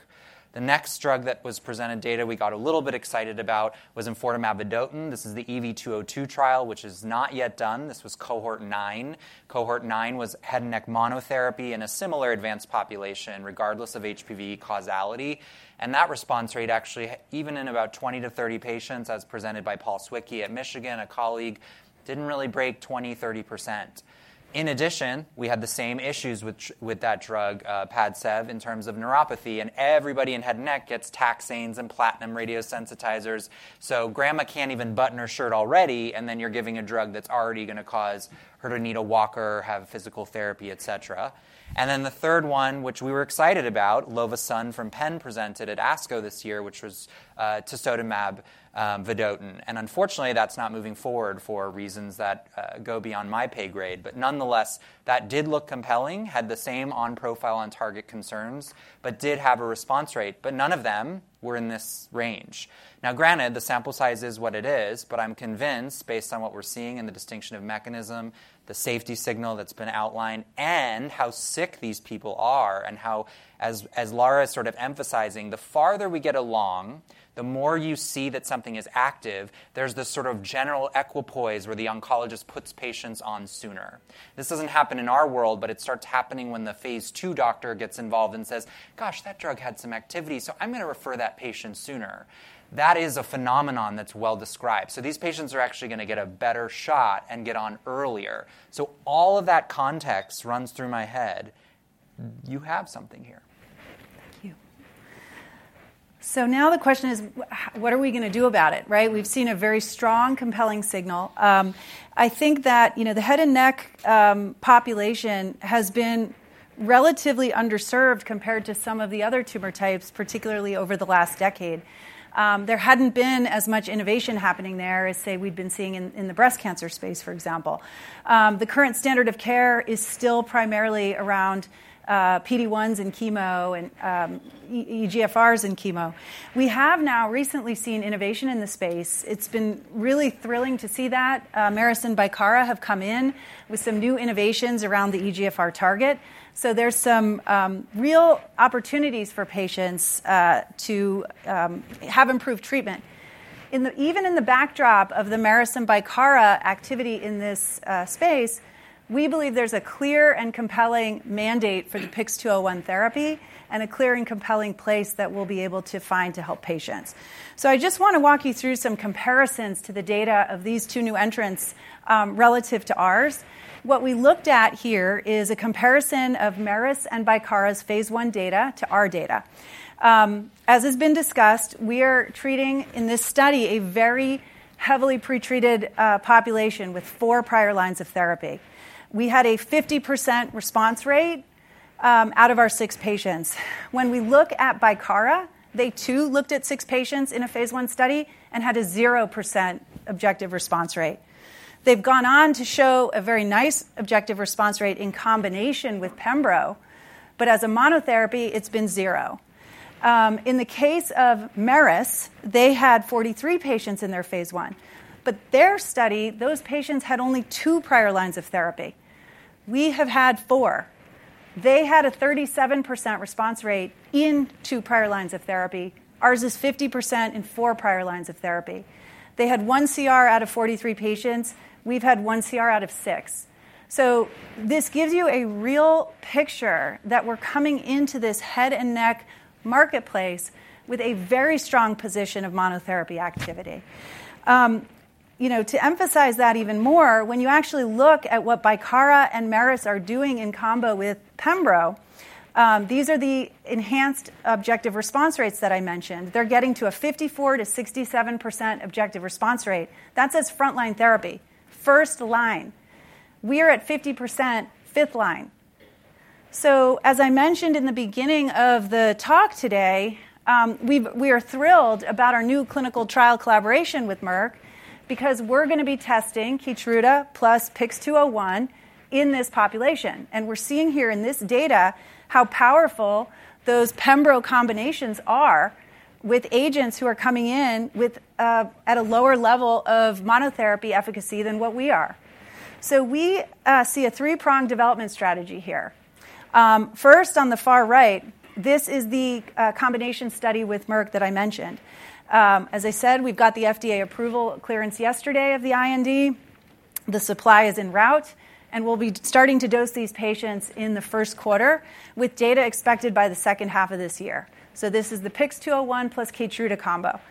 The next drug that was presented data we got a little bit excited about was enfortumab vedotin. This is the EV202 trial, which is not yet done. This was cohort nine. Cohort nine was head and neck monotherapy in a similar advanced population, regardless of HPV causality, and that response rate actually, even in about 20-30 patients, as presented by Paul Swiecicki at Michigan, a colleague, didn't really break 20%, 30%. In addition, we had the same issues with that drug, PADCEV, in terms of neuropathy. And everybody in head and neck gets taxanes and platinum radiosensitizers. So grandma can't even button her shirt already. And then you're giving a drug that's already going to cause her to need a walker, have physical therapy, et cetera. And then the third one, which we were excited about, Lova Sun from Penn presented at ASCO this year, which was tisotumab vedotin. And unfortunately, that's not moving forward for reasons that go beyond my pay grade. But nonetheless, that did look compelling, had the same on-profile, on-target concerns, but did have a response rate. But none of them were in this range. Now, granted, the sample size is what it is. I'm convinced, based on what we're seeing in the distinction of mechanism, the safety signal that's been outlined, and how sick these people are and how, as Lara is sort of emphasizing, the farther we get along, the more you see that something is active. There's this sort of general equipoise where the oncologist puts patients on sooner. This doesn't happen in our world, but it starts happening when the phase two doctor gets involved and says, gosh, that drug had some activity. So I'm going to refer that patient sooner. That is a phenomenon that's well described. So these patients are actually going to get a better shot and get on earlier. So all of that context runs through my head. You have something here. Thank you. So now the question is, what are we going to do about it? We've seen a very strong, compelling signal. I think that the head and neck population has been relatively underserved compared to some of the other tumor types, particularly over the last decade. There hadn't been as much innovation happening there as, say, we've been seeing in the breast cancer space, for example. The current standard of care is still primarily around PD-1s and chemo and EGFRs and chemo. We have now recently seen innovation in the space. It's been really thrilling to see that. Merus and Bicara have come in with some new innovations around the EGFR target. So there's some real opportunities for patients to have improved treatment. Even in the backdrop of the Merus and Bicara activity in this space, we believe there's a clear and compelling mandate for the PYX-201 therapy and a clear and compelling place that we'll be able to find to help patients. I just want to walk you through some comparisons to the data of these two new entrants relative to ours. What we looked at here is a comparison of Merus and Bicara's phase I data to our data. As has been discussed, we are treating in this study a very heavily pretreated population with four prior lines of therapy. We had a 50% response rate out of our six patients. When we look at Bicara, they too looked at six patients in a phase I study and had a 0% objective response rate. They've gone on to show a very nice objective response rate in combination with Pembro. But as a monotherapy, it's been 0%. In the case of Merus, they had 43 patients in their phase I. But their study, those patients had only two prior lines of therapy. We have had four. They had a 37% response rate in two prior lines of therapy. Ours is 50% in four prior lines of therapy. They had one CR out of 43 patients. We've had one CR out of six. So this gives you a real picture that we're coming into this head and neck marketplace with a very strong position of monotherapy activity. To emphasize that even more, when you actually look at what Bicara and Merus are doing in combo with Pembro, these are the enhanced objective response rates that I mentioned. They're getting to a 54%-67% objective response rate. That's as frontline therapy, first line. We are at 50% fifth line. So as I mentioned in the beginning of the talk today, we are thrilled about our new clinical trial collaboration with Merck because we're going to be testing KEYTRUDA plus PYX-201 in this population. And we're seeing here in this data how powerful those Pembro combinations are with agents who are coming in at a lower level of monotherapy efficacy than what we are. So we see a three-pronged development strategy here. First, on the far right, this is the combination study with Merck that I mentioned. As I said, we've got the FDA approval clearance yesterday of the IND. The supply is en route. And we'll be starting to dose these patients in the first quarter with data expected by the second half of this year. So this is the PYX-201 plus KEYTRUDA combo.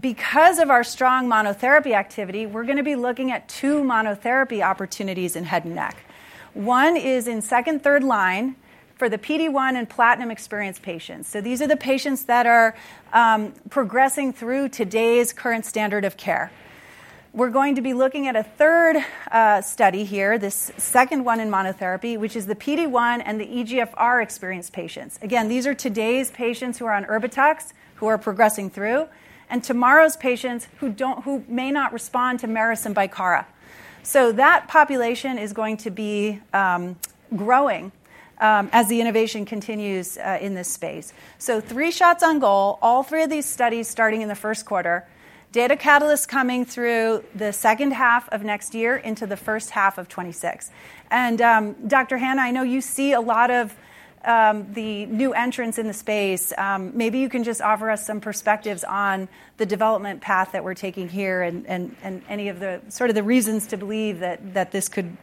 Because of our strong monotherapy activity, we're going to be looking at two monotherapy opportunities in head and neck. One is in second, third line for the PD-1 and platinum experienced patients. So these are the patients that are progressing through today's current standard of care. We're going to be looking at a third study here, this second one in monotherapy, which is the PD-1 and the EGFR experienced patients. Again, these are today's patients who are on Erbitux who are progressing through and tomorrow's patients who may not respond to Merus and Bicara. So that population is going to be growing as the innovation continues in this space. So three shots on goal, all three of these studies starting in the first quarter, data catalysts coming through the second half of next year into the first half of 2026. And Dr. Hanna, I know you see a lot of the new entrants in the space. Maybe you can just offer us some perspectives on the development path that we're taking here and any of the sort of the reasons to believe that this could work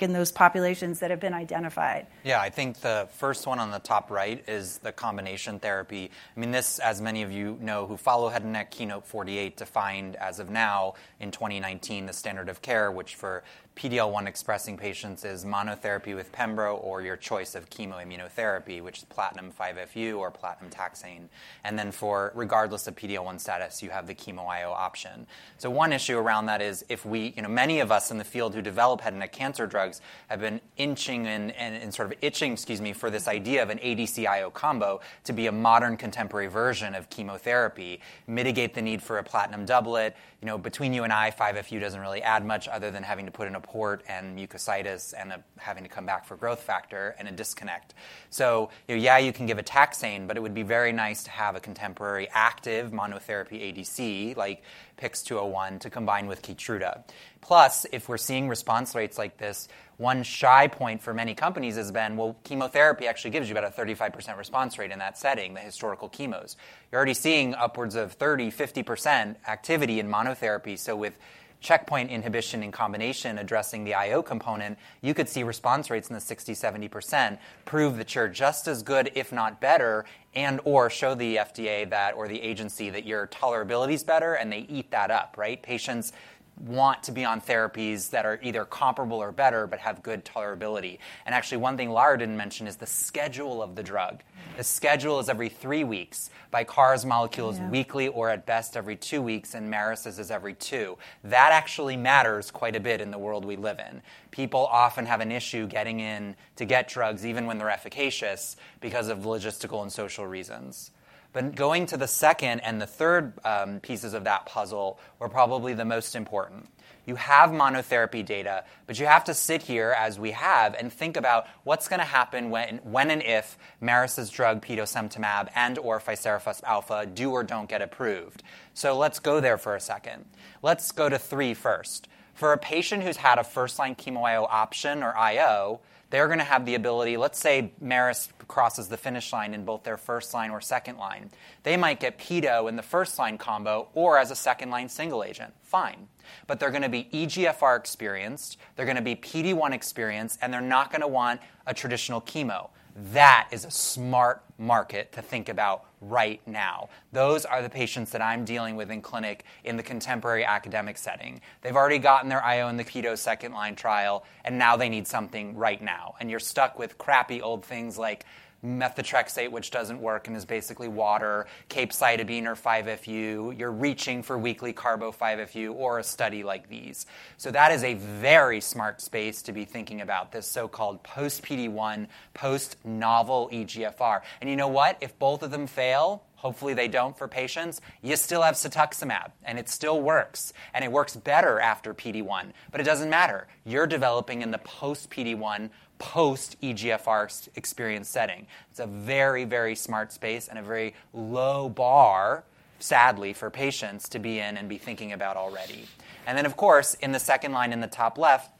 in those populations that have been identified. Yeah, I think the first one on the top right is the combination therapy. I mean, this, as many of you know who follow Head and Neck KEYNOTE-048, defined as of now in 2019 the standard of care, which for PD-L1 expressing patients is monotherapy with Pembro or your choice of chemoimmunotherapy, which is platinum 5-FU or platinum taxane. And then for regardless of PD-L1 status, you have the chemo IO option. So one issue around that is many of us in the field who develop head and neck cancer drugs have been inching and sort of itching, excuse me, for this idea of an ADC-IO combo to be a modern contemporary version of chemotherapy, mitigate the need for a platinum doublet. Between you and I, 5-FU doesn't really add much other than having to put in a port and mucositis and having to come back for growth factor and a disconnect. So yeah, you can give a taxane, but it would be very nice to have a contemporary active monotherapy ADC like PYX-201 to combine with KEYTRUDA. Plus, if we're seeing response rates like this, one shy point for many companies has been, well, chemotherapy actually gives you about a 35% response rate in that setting, the historical chemos. You're already seeing upwards of 30%, 50% activity in monotherapy. So with checkpoint inhibition in combination addressing the IO component, you could see response rates in the 60%, 70%, prove that you're just as good, if not better, and/or show the FDA or the agency that your tolerability is better and they eat that up. Patients want to be on therapies that are either comparable or better but have good tolerability, and actually, one thing Lara didn't mention is the schedule of the drug. The schedule is every three weeks. Bicara's molecule is weekly or at best every two weeks, and Merus's is every two. That actually matters quite a bit in the world we live in. People often have an issue getting in to get drugs even when they're efficacious because of logistical and social reasons, but going to the second and the third pieces of that puzzle are probably the most important. You have monotherapy data, but you have to sit here as we have and think about what's going to happen when and if Merus's drug, petosemtamab and/or ficerafusp alfa, do or don't get approved, so let's go there for a second. Let's go to three first. For a patient who's had a first line chemo IO option or IO, they're going to have the ability, let's say Merus crosses the finish line in both their first line or second line. They might get pembro in the first line combo or as a second line single agent. Fine. But they're going to be EGFR experienced. They're going to be PD-1 experienced, and they're not going to want a traditional chemo. That is a smart market to think about right now. Those are the patients that I'm dealing with in clinic in the contemporary academic setting. They've already gotten their IO in the pembro second line trial, and now they need something right now, and you're stuck with crappy old things like methotrexate, which doesn't work and is basically water, capecitabine or 5-FU. You're reaching for weekly carbo 5-FU or a study like these. That is a very smart space to be thinking about this so-called post-PD-1, post-novel EGFR. And you know what? If both of them fail, hopefully they don't for patients, you still have cetuximab, and it still works. And it works better after PD-1. But it doesn't matter. You're developing in the post-PD-1, post-EGFR experience setting. It's a very, very smart space and a very low bar, sadly, for patients to be in and be thinking about already. And then, of course, in the second line in the top left,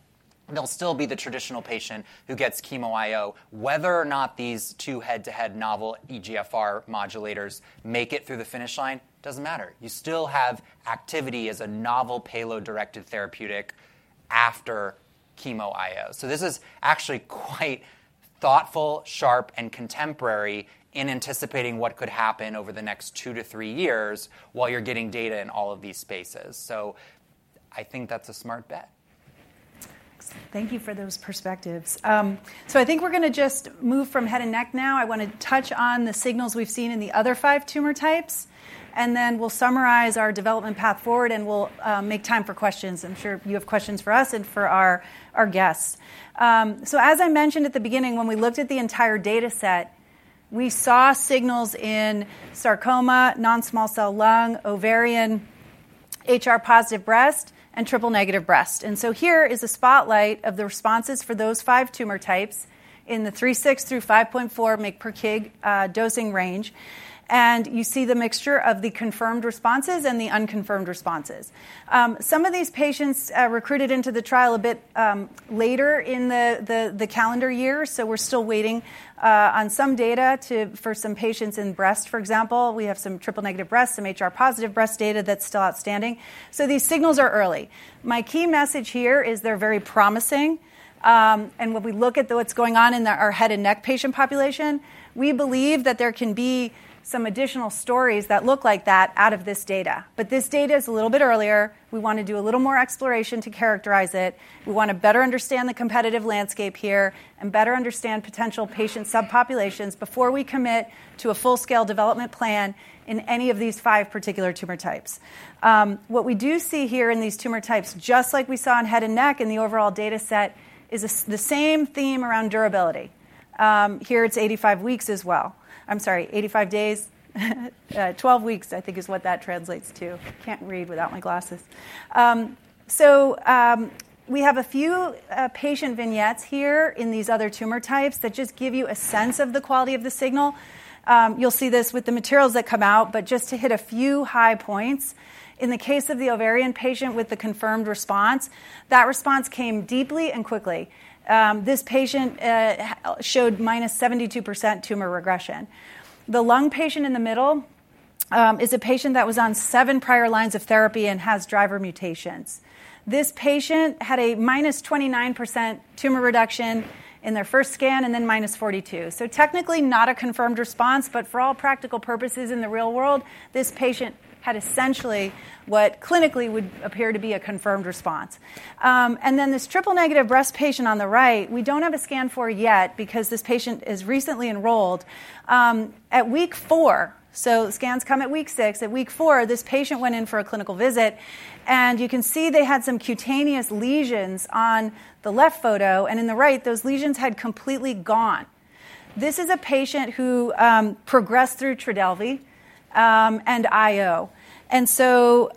there'll still be the traditional patient who gets chemo IO. Whether or not these two head-to-head novel EGFR modulators make it through the finish line doesn't matter. You still have activity as a novel payload-directed therapeutic after chemo IO. So this is actually quite thoughtful, sharp, and contemporary in anticipating what could happen over the next two to three years while you're getting data in all of these spaces. So I think that's a smart bet. Thank you for those perspectives. So I think we're going to just move from head and neck now. I want to touch on the signals we've seen in the other five tumor types. And then we'll summarize our development path forward, and we'll make time for questions. I'm sure you have questions for us and for our guests. So as I mentioned at the beginning, when we looked at the entire data set, we saw signals in sarcoma, non-small cell lung, ovarian, HR positive breast, and triple negative breast. And so here is a spotlight of the responses for those five tumor types in the 3.6 through 5.4 mg/kg dosing range. You see the mixture of the confirmed responses and the unconfirmed responses. Some of these patients recruited into the trial a bit later in the calendar year. We're still waiting on some data for some patients in breast. For example, we have some triple negative breast, some HR positive breast data that's still outstanding. These signals are early. My key message here is they're very promising. When we look at what's going on in our head and neck patient population, we believe that there can be some additional stories that look like that out of this data. This data is a little bit earlier. We want to do a little more exploration to characterize it. We want to better understand the competitive landscape here and better understand potential patient subpopulations before we commit to a full-scale development plan in any of these five particular tumor types. What we do see here in these tumor types, just like we saw in head and neck in the overall data set, is the same theme around durability. Here, it's 85 weeks as well. I'm sorry, 85 days, 12 weeks, I think, is what that translates to. Can't read without my glasses. So we have a few patient vignettes here in these other tumor types that just give you a sense of the quality of the signal. You'll see this with the materials that come out. But just to hit a few high points, in the case of the ovarian patient with the confirmed response, that response came deeply and quickly. This patient showed minus 72% tumor regression. The lung patient in the middle is a patient that was on seven prior lines of therapy and has driver mutations. This patient had a minus 29% tumor reduction in their first scan and then minus 42%. So technically, not a confirmed response. But for all practical purposes in the real world, this patient had essentially what clinically would appear to be a confirmed response. And then this triple negative breast patient on the right, we don't have a scan for yet because this patient is recently enrolled. At week four, so scans come at week six. At week four, this patient went in for a clinical visit. And you can see they had some cutaneous lesions on the left photo. And in the right, those lesions had completely gone. This is a patient who progressed through Trodelvy and IO. And so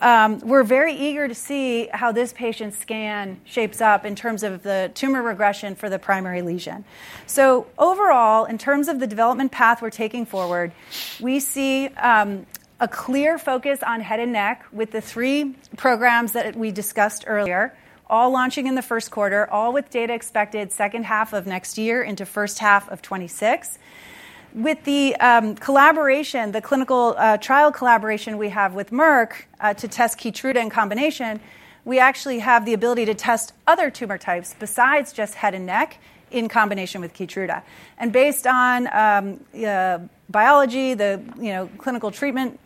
we're very eager to see how this patient's scan shapes up in terms of the tumor regression for the primary lesion. So overall, in terms of the development path we're taking forward, we see a clear focus on head and neck with the three programs that we discussed earlier, all launching in the first quarter, all with data expected second half of next year into first half of 2026. With the collaboration, the clinical trial collaboration we have with Merck to test KEYTRUDA in combination, we actually have the ability to test other tumor types besides just head and neck in combination with KEYTRUDA. And based on biology, the clinical treatment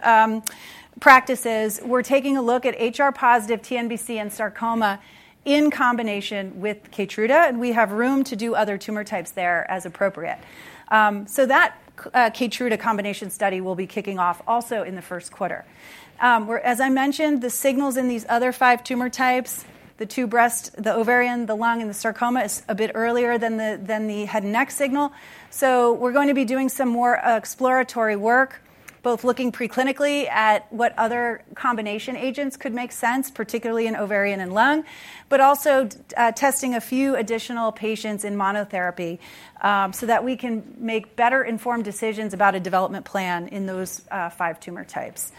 practices, we're taking a look at HR positive, TNBC, and sarcoma in combination with KEYTRUDA. And we have room to do other tumor types there as appropriate. So that KEYTRUDA combination study will be kicking off also in the first quarter. As I mentioned, the signals in these other five tumor types, the two breast, the ovarian, the lung, and the sarcoma is a bit earlier than the head and neck signal. So we're going to be doing some more exploratory work, both looking preclinically at what other combination agents could make sense, particularly in ovarian and lung, but also testing a few additional patients in monotherapy so that we can make better informed decisions about a development plan in those five tumor types.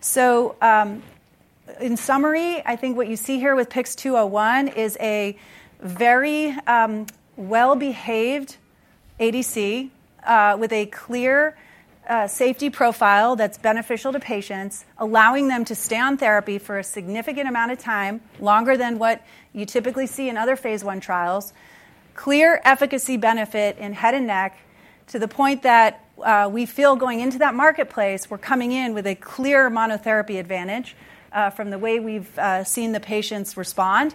So in summary, I think what you see here with PYX-201 is a very well-behaved ADC with a clear safety profile that's beneficial to patients, allowing them to stay on therapy for a significant amount of time, longer than what you typically see in other phase 1 trials, clear efficacy benefit in head and neck to the point that we feel going into that marketplace, we're coming in with a clear monotherapy advantage from the way we've seen the patients respond.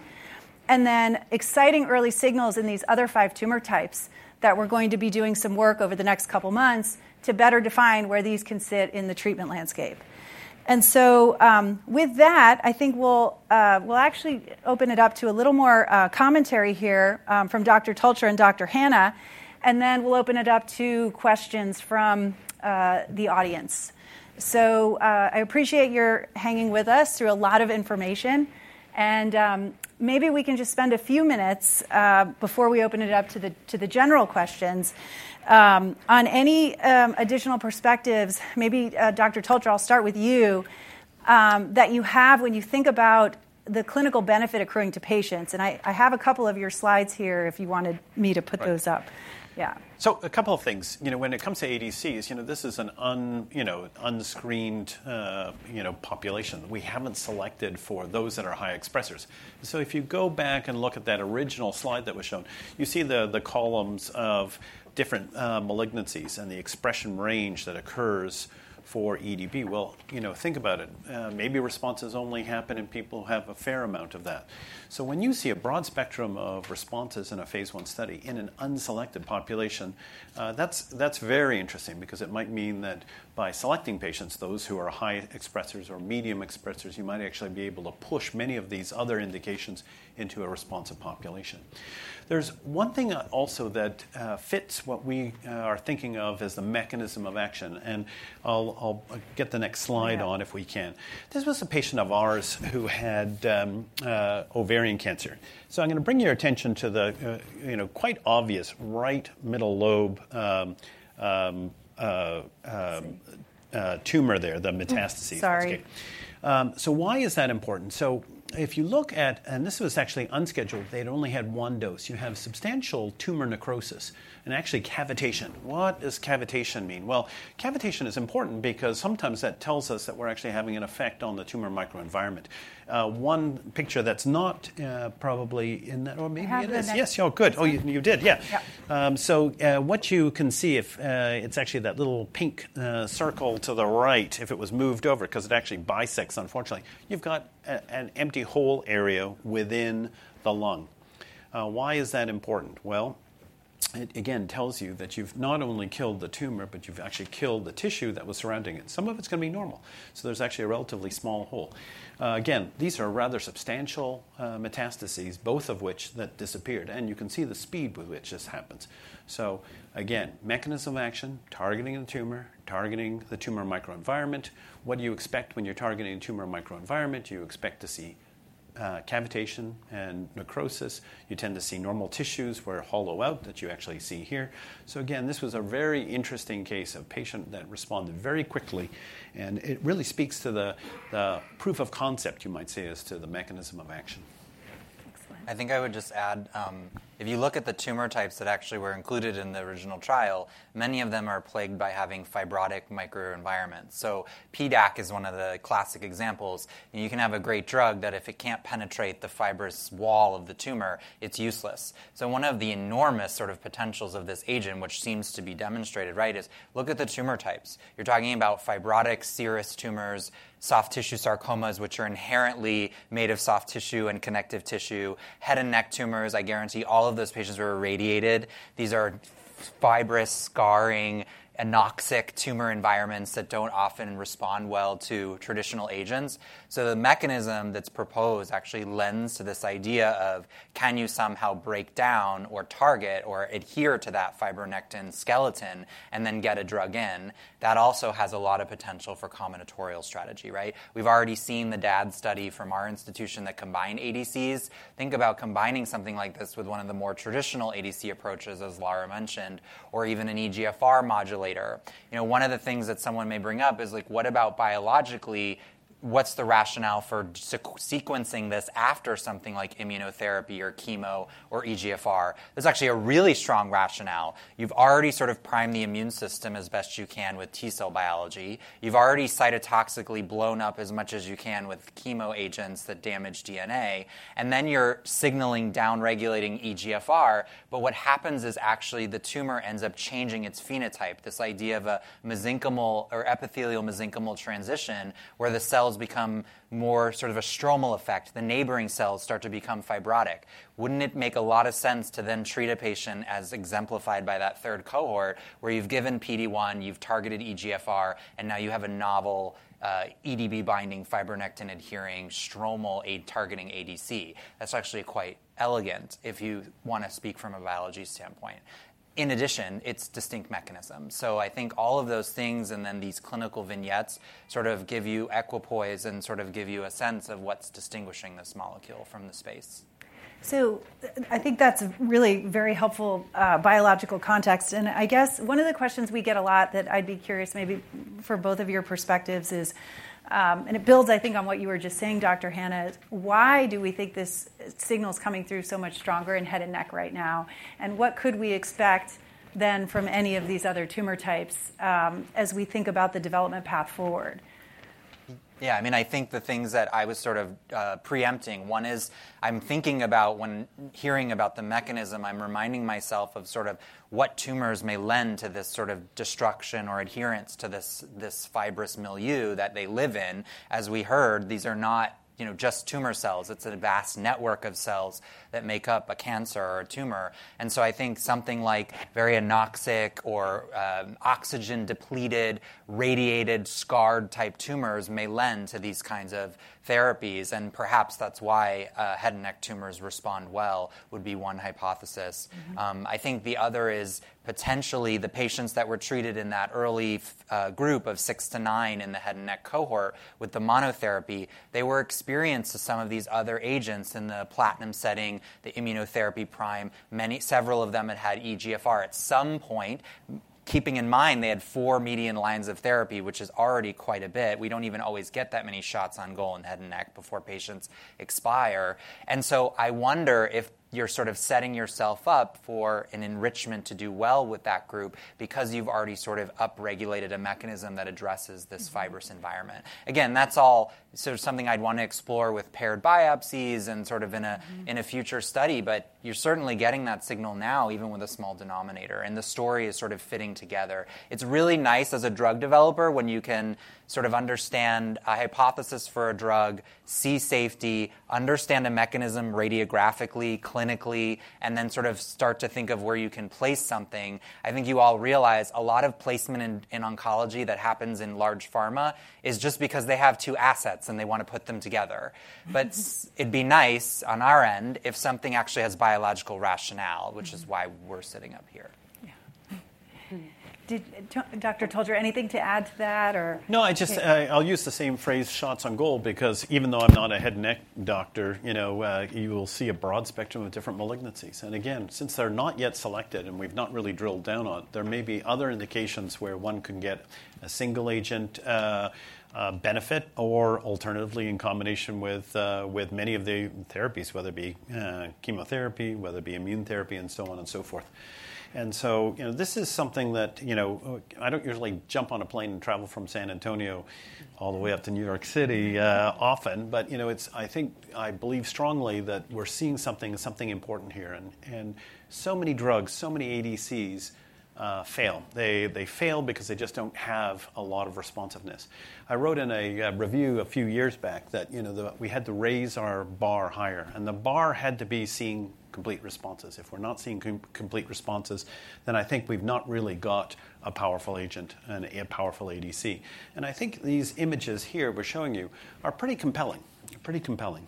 And then exciting early signals in these other five tumor types that we're going to be doing some work over the next couple of months to better define where these can sit in the treatment landscape. And so with that, I think we'll actually open it up to a little more commentary here from Dr. Tolcher and Dr. Hanna. And then we'll open it up to questions from the audience. So I appreciate your hanging with us through a lot of information. And maybe we can just spend a few minutes before we open it up to the general questions on any additional perspectives. Maybe Dr. Tolcher, I'll start with you, that you have when you think about the clinical benefit accruing to patients. And I have a couple of your slides here if you wanted me to put those up. Yeah. So a couple of things. When it comes to ADCs, this is an unscreened population that we haven't selected for those that are high expressors. So if you go back and look at that original slide that was shown, you see the columns of different malignancies and the expression range that occurs for EDB. Well, think about it. Maybe responses only happen in people who have a fair amount of that, so when you see a broad spectrum of responses in a phase 1 study in an unselected population, that's very interesting because it might mean that by selecting patients, those who are high expressors or medium expressors, you might actually be able to push many of these other indications into a responsive population. There's one thing also that fits what we are thinking of as the mechanism of action, and I'll get the next slide on if we can. This was a patient of ours who had ovarian cancer, so I'm going to bring your attention to the quite obvious right middle lobe tumor there, the metastases. Sorry, so why is that important? So if you look at, and this was actually unscheduled. They'd only had one dose. You have substantial tumor necrosis and actually cavitation. What does cavitation mean? Well, cavitation is important because sometimes that tells us that we're actually having an effect on the tumor microenvironment. One picture that's not probably in that, or maybe it is. Yes, you're good. Oh, you did. Yeah. So what you can see, it's actually that little pink circle to the right. If it was moved over, because it actually bisects, unfortunately, you've got an empty hole area within the lung. Why is that important? Well, it again tells you that you've not only kille d the tumor, but you've actually killed the tissue that was surrounding it. Some of it's going to be normal. So there's actually a relatively small hole. Again, these are rather substantial metastases, both of which that disappeared. And you can see the speed with which this happens. So again, mechanism of action, targeting the tumor, targeting the tumor microenvironment. What do you expect when you're targeting a tumor microenvironment? You expect to see cavitation and necrosis. You tend to see normal tissues that hollow out that you actually see here, so again, this was a very interesting case of a patient that responded very quickly, and it really speaks to the proof of concept, you might say, as to the mechanism of action. I think I would just add, if you look at the tumor types that actually were included in the original trial, many of them are plagued by having fibrotic microenvironments, so PDAC is one of the classic examples. You can have a great drug that if it can't penetrate the fibrous wall of the tumor, it's useless, so one of the enormous sort of potentials of this agent, which seems to be demonstrated, right, is look at the tumor types. You're talking about fibrotic serous tumors, soft tissue sarcomas, which are inherently made of soft tissue and connective tissue, head and neck tumors. I guarantee all of those patients were radiated. These are fibrous scarring anoxic tumor environments that don't often respond well to traditional agents. So the mechanism that's proposed actually lends to this idea of, can you somehow break down or target or adhere to that fibronectin skeleton and then get a drug in? That also has a lot of potential for combinatorial strategy. We've already seen the DAD study from our institution that combine ADCs. Think about combining something like this with one of the more traditional ADC approaches, as Lara mentioned, or even an EGFR modulator. One of the things that someone may bring up is, what about biologically? What's the rationale for sequencing this after something like immunotherapy or chemo or EGFR? There's actually a really strong rationale. You've already sort of primed the immune system as best you can with T cell biology. You've already cytotoxically blown up as much as you can with chemo agents that damage DNA. And then you're signaling downregulating EGFR. But what happens is actually the tumor ends up changing its phenotype, this idea of a mesenchymal or epithelial mesenchymal transition where the cells become more sort of a stromal effect. The neighboring cells start to become fibrotic. Wouldn't it make a lot of sense to then treat a patient as exemplified by that third cohort where you've given PD-1, you've targeted EGFR, and now you have a novel EDB-binding fibronectin adhering stromal targeting ADC? That's actually quite elegant if you want to speak from a biology standpoint. In addition, it's distinct mechanisms. So I think all of those things and then these clinical vignettes sort of give you equipoise and sort of give you a sense of what's distinguishing this molecule from the space. So I think that's a really very helpful biological context. And I guess one of the questions we get a lot that I'd be curious maybe for both of your perspectives is, and it builds, I think, on what you were just saying, Dr. Hanna, why do we think this signal is coming through so much stronger in head and neck right now? And what could we expect then from any of these other tumor types as we think about the development path forward? Yeah. I mean, I think the things that I was sort of preempting, one is I'm thinking about when hearing about the mechanism, I'm reminding myself of sort of what tumors may lend to this sort of destruction or adherence to this fibrous milieu that they live in. As we heard, these are not just tumor cells. It's a vast network of cells that make up a cancer or a tumor. And so I think something like very anoxic or oxygen-depleted, radiated, scarred type tumors may lend to these kinds of therapies. And perhaps that's why head and neck tumors respond well would be one hypothesis. I think the other is potentially the patients that were treated in that early group of six to nine in the head and neck cohort with the monotherapy, they were exposed to some of these other agents in the platinum setting, the immunotherapy prime. Several of them had had EGFR at some point, keeping in mind they had four median lines of therapy, which is already quite a bit. We don't even always get that many shots on goal in head and neck before patients expire, and so I wonder if you're sort of setting yourself up for an enrichment to do well with that group because you've already sort of upregulated a mechanism that addresses this fibrous environment. Again, that's all sort of something I'd want to explore with paired biopsies and sort of in a future study, but you're certainly getting that signal now, even with a small denominator, and the story is sort of fitting together. It's really nice as a drug developer when you can sort of understand a hypothesis for a drug, see safety, understand a mechanism radiographically, clinically, and then sort of start to think of where you can place something. I think you all realize a lot of placement in oncology that happens in large pharma is just because they have two assets and they want to put them together. But it'd be nice on our end if something actually has biological rationale, which is why we're sitting up here. Yeah. Dr. Tolcher, anything to add to that or? No, I'll use the same phrase, shots on goal, because even though I'm not a head and neck doctor, you will see a broad spectrum of different malignancies. And again, since they're not yet selected and we've not really drilled down on it, there may be other indications where one can get a single agent benefit or alternatively in combination with many of the therapies, whether it be chemotherapy, whether it be immune therapy, and so on and so forth. And so this is something that I don't usually jump on a plane and travel from San Antonio all the way up to New York City often. But I believe strongly that we're seeing something important here. And so many drugs, so many ADCs fail. They fail because they just don't have a lot of responsiveness. I wrote in a review a few years back that we had to raise our bar higher. And the bar had to be seeing complete responses. If we're not seeing complete responses, then I think we've not really got a powerful agent and a powerful ADC, and I think these images here we're showing you are pretty compelling. Pretty compelling.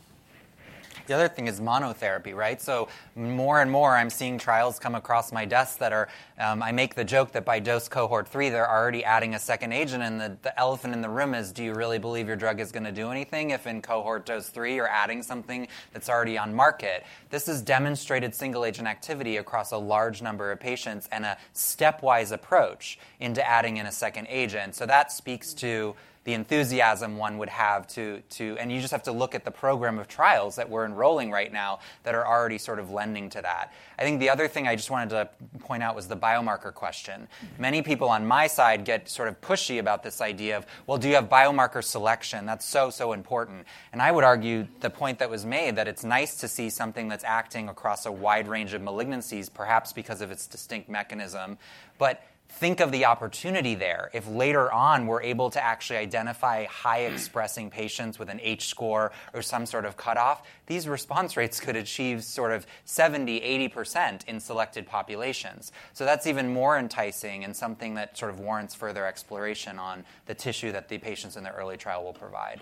The other thing is monotherapy, so more and more I'm seeing trials come across my desk that I make the joke that by dose cohort three, they're already adding a second agent, and the elephant in the room is, do you really believe your drug is going to do anything if in cohort dose three, you're adding something that's already on market? This has demonstrated single agent activity across a large number of patients and a stepwise approach into adding in a second agent. So that speaks to the enthusiasm one would have to, and you just have to look at the program of trials that we're enrolling right now that are already sort of lending to that. I think the other thing I just wanted to point out was the biomarker question. Many people on my side get sort of pushy about this idea of, well, do you have biomarker selection? That's so, so important, and I would argue the point that was made that it's nice to see something that's acting across a wide range of malignancies, perhaps because of its distinct mechanism, but think of the opportunity there. If later on we're able to actually identify high expressing patients with an H-score or some sort of cutoff, these response rates could achieve sort of 70%, 80% in selected populations. So that's even more enticing and something that sort of warrants further exploration on the tissue that the patients in the early trial will provide.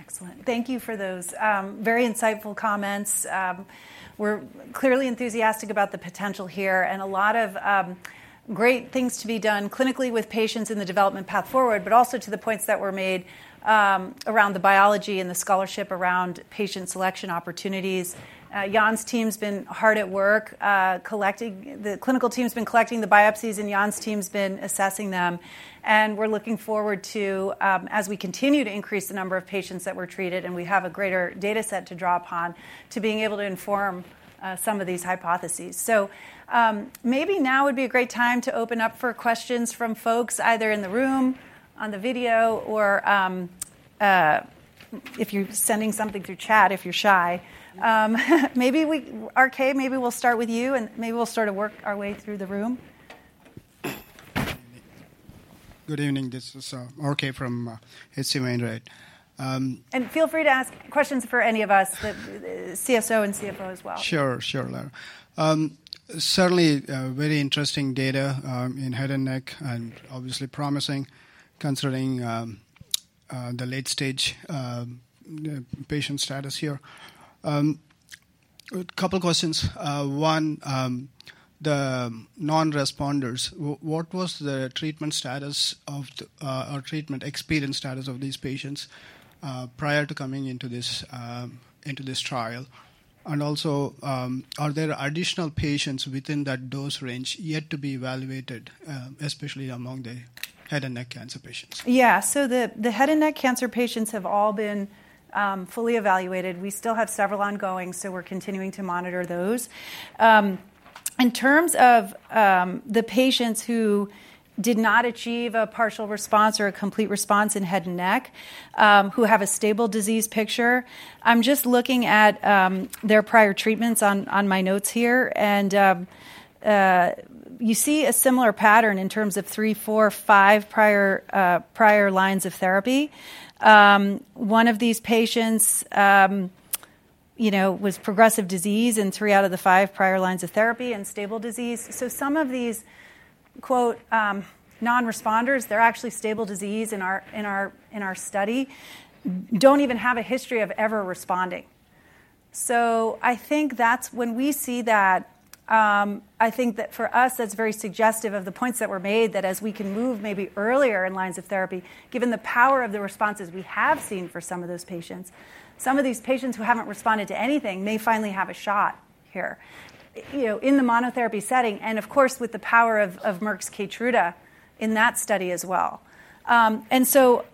Excellent. Thank you for those very insightful comments. We're clearly enthusiastic about the potential here and a lot of great things to be done clinically with patients in the development path forward, but also to the points that were made around the biology and the scholarship around patient selection opportunities. Jan's team's been hard at work. The clinical team's been collecting the biopsies, and Jan's team's been assessing them. And we're looking forward to, as we continue to increase the number of patients that were treated and we have a greater data set to draw upon, to being able to inform some of these hypotheses. So maybe now would be a great time to open up for questions from folks either in the room, on the video, or if you're sending something through chat, if you're shy. Maybe RK, maybe we'll start with you, and maybe we'll sort of work our way through the room. Good evening. This is RK from H.C. Wainwright. And feel free to ask questions for any of us, CSO and CFO as well. Sure, sure. Certainly very interesting data in head and neck and obviously promising considering the late stage patient status here. A couple of questions. One, the non-responders, what was the treatment status or treatment experience status of these patients prior to coming into this trial? And also, are there additional patients within that dose range yet to be evaluated, especially among the head and neck cancer patients? Yeah. So the head and neck cancer patients have all been fully evaluated. We still have several ongoing, so we're continuing to monitor those. In terms of the patients who did not achieve a partial response or a complete response in head and neck, who have a stable disease picture, I'm just looking at their prior treatments on my notes here. And you see a similar pattern in terms of three, four, five prior lines of therapy. One of these patients was progressive disease in three out of the five prior lines of therapy and stable disease. So some of these "non-responders," they're actually stable disease in our study, don't even have a history of ever responding. I think that's when we see that. I think that for us, that's very suggestive of the points that were made that as we can move maybe earlier in lines of therapy, given the power of the responses we have seen for some of those patients, some of these patients who haven't responded to anything may finally have a shot here in the monotherapy setting. And of course, with the power of Merck's KEYTRUDA in that study as well. And so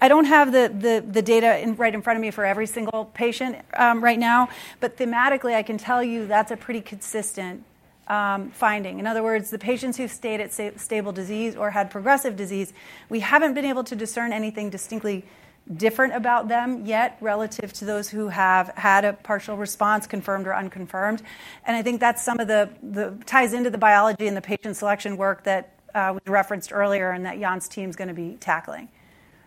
I don't have the data right in front of me for every single patient right now. But thematically, I can tell you that's a pretty consistent finding. In other words, the patients who stayed at stable disease or had progressive disease, we haven't been able to discern anything distinctly different about them yet relative to those who have had a partial response confirmed or unconfirmed. And I think that's some of the ties into the biology and the patient selection work that we referenced earlier and that Jan's team's going to be tackling.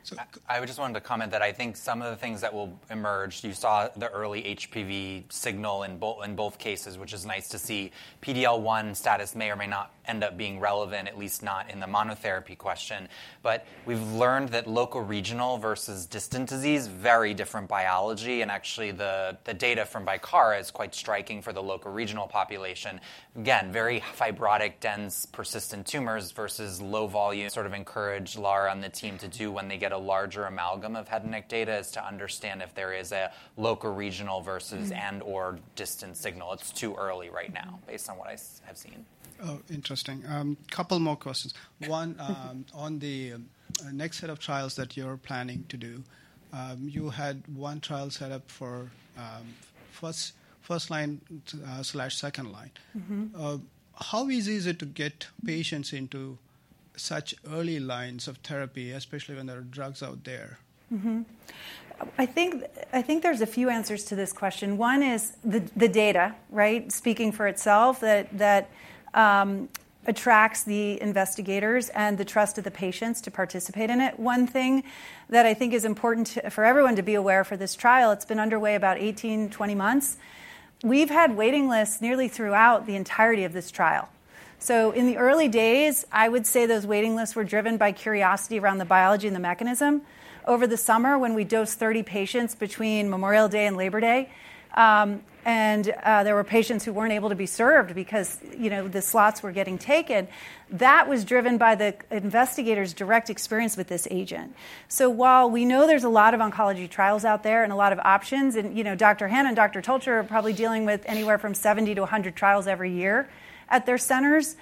So I just wanted to comment that I think some of the things that will emerge. You saw the early HPV signal in both cases, which is nice to see. PD-L1 status may or may not end up being relevant, at least not in the monotherapy question. But we've learned that local regional versus distant disease, very different biology. And actually, the data from VICAR is quite striking for the local regional population. Again, very fibrotic, dense, persistent tumors versus low volume. Sort of encourage Lara and the team to do when they get a larger amalgam of head and neck data is to understand if there is a local regional versus and/or distant signal. It's too early right now based on what I have seen. Oh, interesting. A couple more questions. One, on the next set of trials that you're planning to do, you had one trial set up for first line/second line. How easy is it to get patients into such early lines of therapy, especially when there are drugs out there? I think there's a few answers to this question. One is the data, speaking for itself, that attracts the investigators and the trust of the patients to participate in it. One thing that I think is important for everyone to be aware for this trial, it's been underway about 18-20 months. We've had waiting lists nearly throughout the entirety of this trial. So in the early days, I would say those waiting lists were driven by curiosity around the biology and the mechanism. Over the summer, when we dosed 30 patients between Memorial Day and Labor Day, and there were patients who weren't able to be served because the slots were getting taken, that was driven by the investigators' direct experience with this agent. So while we know there's a lot of oncology trials out there and a lot of options, and Dr. Hanna and Dr. Tolcher are probably dealing with anywhere from 70-100 trials every year at their centers,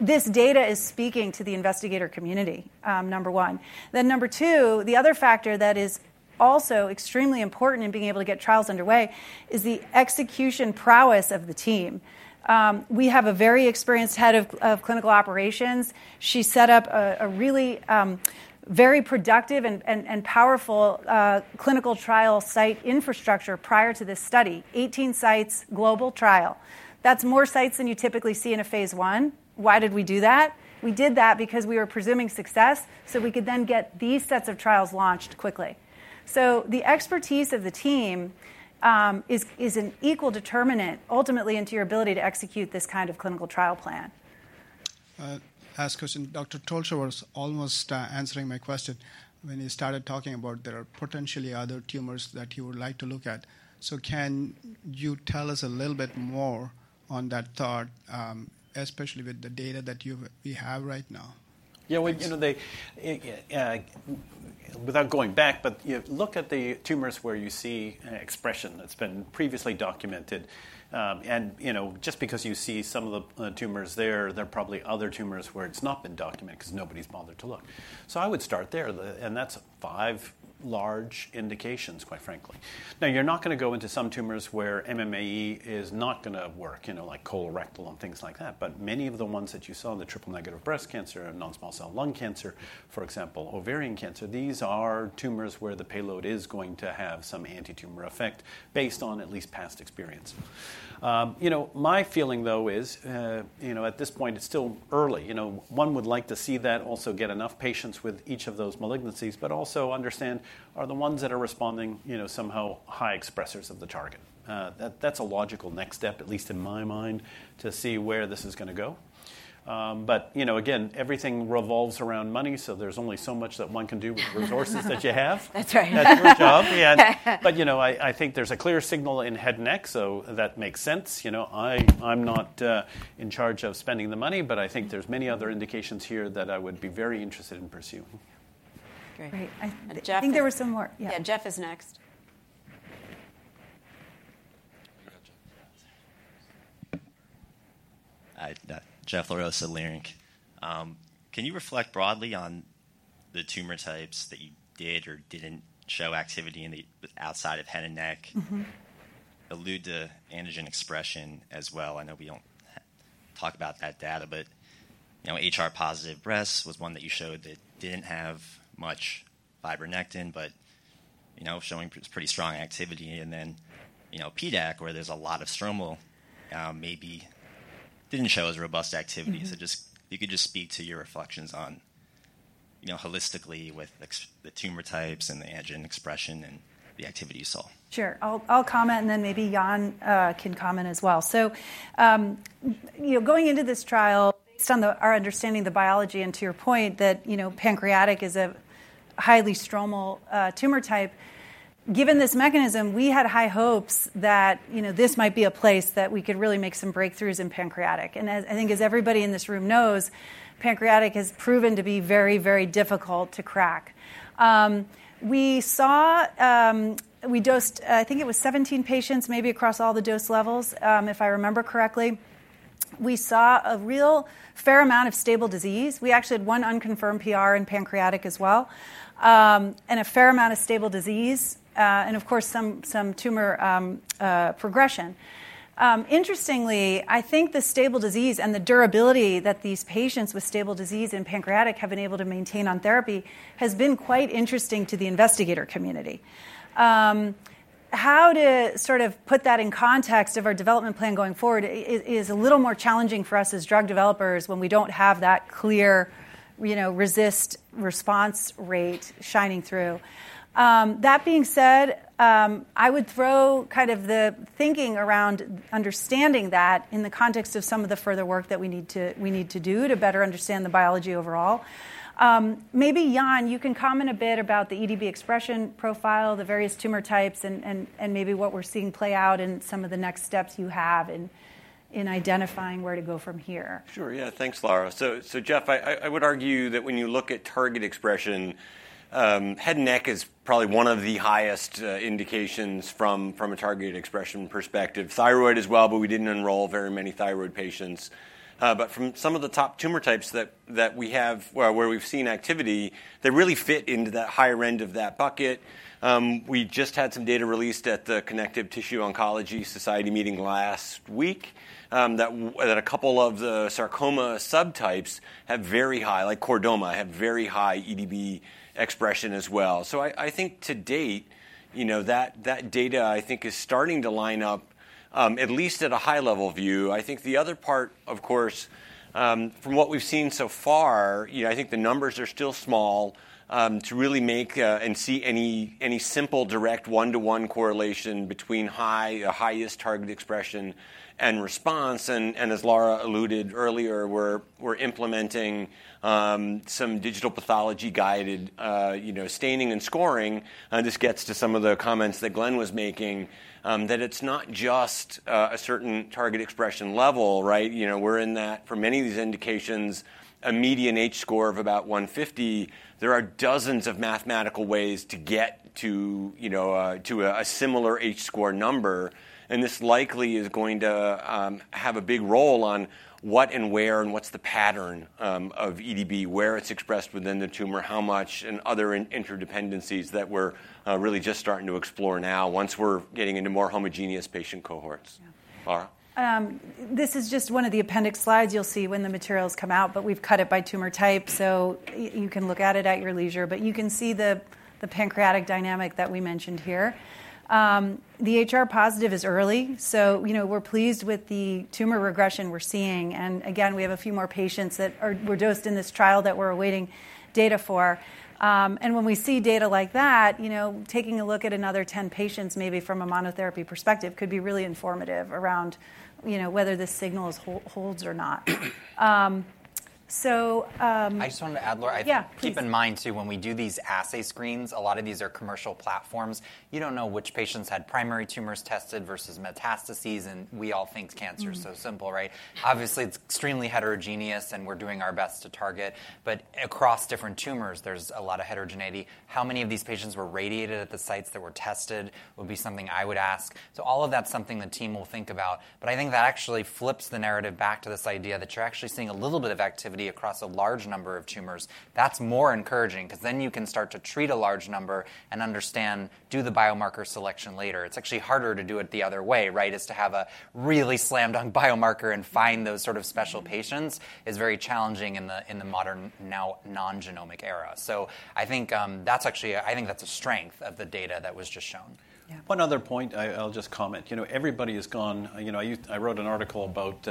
this data is speaking to the investigator community, number one. Then number two, the other factor that is also extremely important in being able to get trials underway is the execution prowess of the team. We have a very experienced head of clinical operations. She set up a really very productive and powerful clinical trial site infrastructure prior to this study, 18 sites global trial. That's more sites than you typically see in a phase 1. Why did we do that? We did that because we were presuming success so we could then get these sets of trials launched quickly. So the expertise of the team is an equal determinant ultimately into your ability to execute this kind of clinical trial plan. Last question. Dr. Tolcher was almost answering my question when you started talking about there are potentially other tumors that you would like to look at. So can you tell us a little bit more on that thought, especially with the data that we have right now? Yeah. Without going back, but look at the tumors where you see expression that's been previously documented. And just because you see some of the tumors there, there are probably other tumors where it's not been documented because nobody's bothered to look. I would start there. That's five large indications, quite frankly. Now, you're not going to go into some tumors where MMAE is not going to work, like colorectal and things like that. Many of the ones that you saw in the triple-negative breast cancer and non-small-cell lung cancer, for example, ovarian cancer, these are tumors where the payload is going to have some anti-tumor effect based on at least past experience. My feeling, though, is at this point, it's still early. One would like to see that also get enough patients with each of those malignancies, but also understand are the ones that are responding somehow high expressors of the target. That's a logical next step, at least in my mind, to see where this is going to go. Again, everything revolves around money. So there's only so much that one can do with the resources that you have. That's right. That's your job. But I think there's a clear signal in head and neck, so that makes sense. I'm not in charge of spending the money, but I think there's many other indications here that I would be very interested in pursuing. Great. I think there was some more. Yeah. Jeff is next. Jeff LaRosa, Leerink. Can you reflect broadly on the tumor types that you did or didn't show activity outside of head and neck? Allude to antigen expression as well. I know we don't talk about that data, but HR positive breasts was one that you showed that didn't have much fibronectin, but showing pretty strong activity. And then PDAC, where there's a lot of stromal, maybe didn't show as robust activity. So you could just speak to your reflections holistically with the tumor types and the antigen expression and the activity you saw. Sure. I'll comment, and then maybe Jan can comment as well. So going into this trial, based on our understanding of the biology and to your point that pancreatic is a highly stromal tumor type, given this mechanism, we had high hopes that this might be a place that we could really make some breakthroughs in pancreatic. And I think as everybody in this room knows, pancreatic has proven to be very, very difficult to crack. We dosed, I think it was 17 patients maybe across all the dose levels, if I remember correctly. We saw a real fair amount of stable disease. We actually had one unconfirmed PR in pancreatic as well and a fair amount of stable disease and, of course, some tumor progression. Interestingly, I think the stable disease and the durability that these patients with stable disease in pancreatic have been able to maintain on therapy has been quite interesting to the investigator community. How to sort of put that in context of our development plan going forward is a little more challenging for us as drug developers when we don't have that clear RECIST response rate shining through. That being said, I would throw kind of the thinking around understanding that in the context of some of the further work that we need to do to better understand the biology overall. Maybe Jan, you can comment a bit about the EDB expression profile, the various tumor types, and maybe what we're seeing play out in some of the next steps you have in identifying where to go from here. Sure. Yeah. Thanks, Lara. So Jeff, I would argue that when you look at target expression, head and neck is probably one of the highest indications from a targeted expression perspective. Thyroid as well, but we didn't enroll very many thyroid patients. But from some of the top tumor types that we have where we've seen activity, they really fit into that higher end of that bucket. We just had some data released at the Connective Tissue Oncology Society meeting last week that a couple of the sarcoma subtypes have very high, like chordoma, have very high EDB expression as well. So I think to date, that data, I think, is starting to line up, at least at a high-level view. I think the other part, of course, from what we've seen so far, I think the numbers are still small to really make and see any simple direct one-to-one correlation between highest target expression and response. And as Lara alluded earlier, we're implementing some digital pathology-guided staining and scoring. This gets to some of the comments that Glenn was making, that it's not just a certain target expression level. We're in that, for many of these indications, a median H-score of about 150. There are dozens of mathematical ways to get to a similar H-score number. And this likely is going to have a big role on what and where and what's the pattern of EDB, where it's expressed within the tumor, how much, and other interdependencies that we're really just starting to explore now once we're getting into more homogeneous patient cohorts. Lara? This is just one of the appendix slides you'll see when the materials come out, but we've cut it by tumor type so you can look at it at your leisure, but you can see the pancreatic dynamic that we mentioned here. The HR positive is early so we're pleased with the tumor regression we're seeing, and again, we have a few more patients that were dosed in this trial that we're awaiting data for, and when we see data like that, taking a look at another 10 patients maybe from a monotherapy perspective could be really informative around whether this signal holds or not. So yeah. I just wanted to add, Lara, keep in mind too, when we do these assay screens, a lot of these are commercial platforms. You don't know which patients had primary tumors tested versus metastases, and we all think cancer is so simple, right? Obviously, it's extremely heterogeneous, and we're doing our best to target. But across different tumors, there's a lot of heterogeneity. How many of these patients were radiated at the sites that were tested would be something I would ask. So all of that's something the team will think about. But I think that actually flips the narrative back to this idea that you're actually seeing a little bit of activity across a large number of tumors. That's more encouraging because then you can start to treat a large number and understand, do the biomarker selection later. It's actually harder to do it the other way, right? Is to have a really slammed-on biomarker and find those sort of special patients is very challenging in the modern, now non-genomic era. So I think that's actually a strength of the data that was just shown. One other point I'll just comment. Everybody has gone. I wrote an article about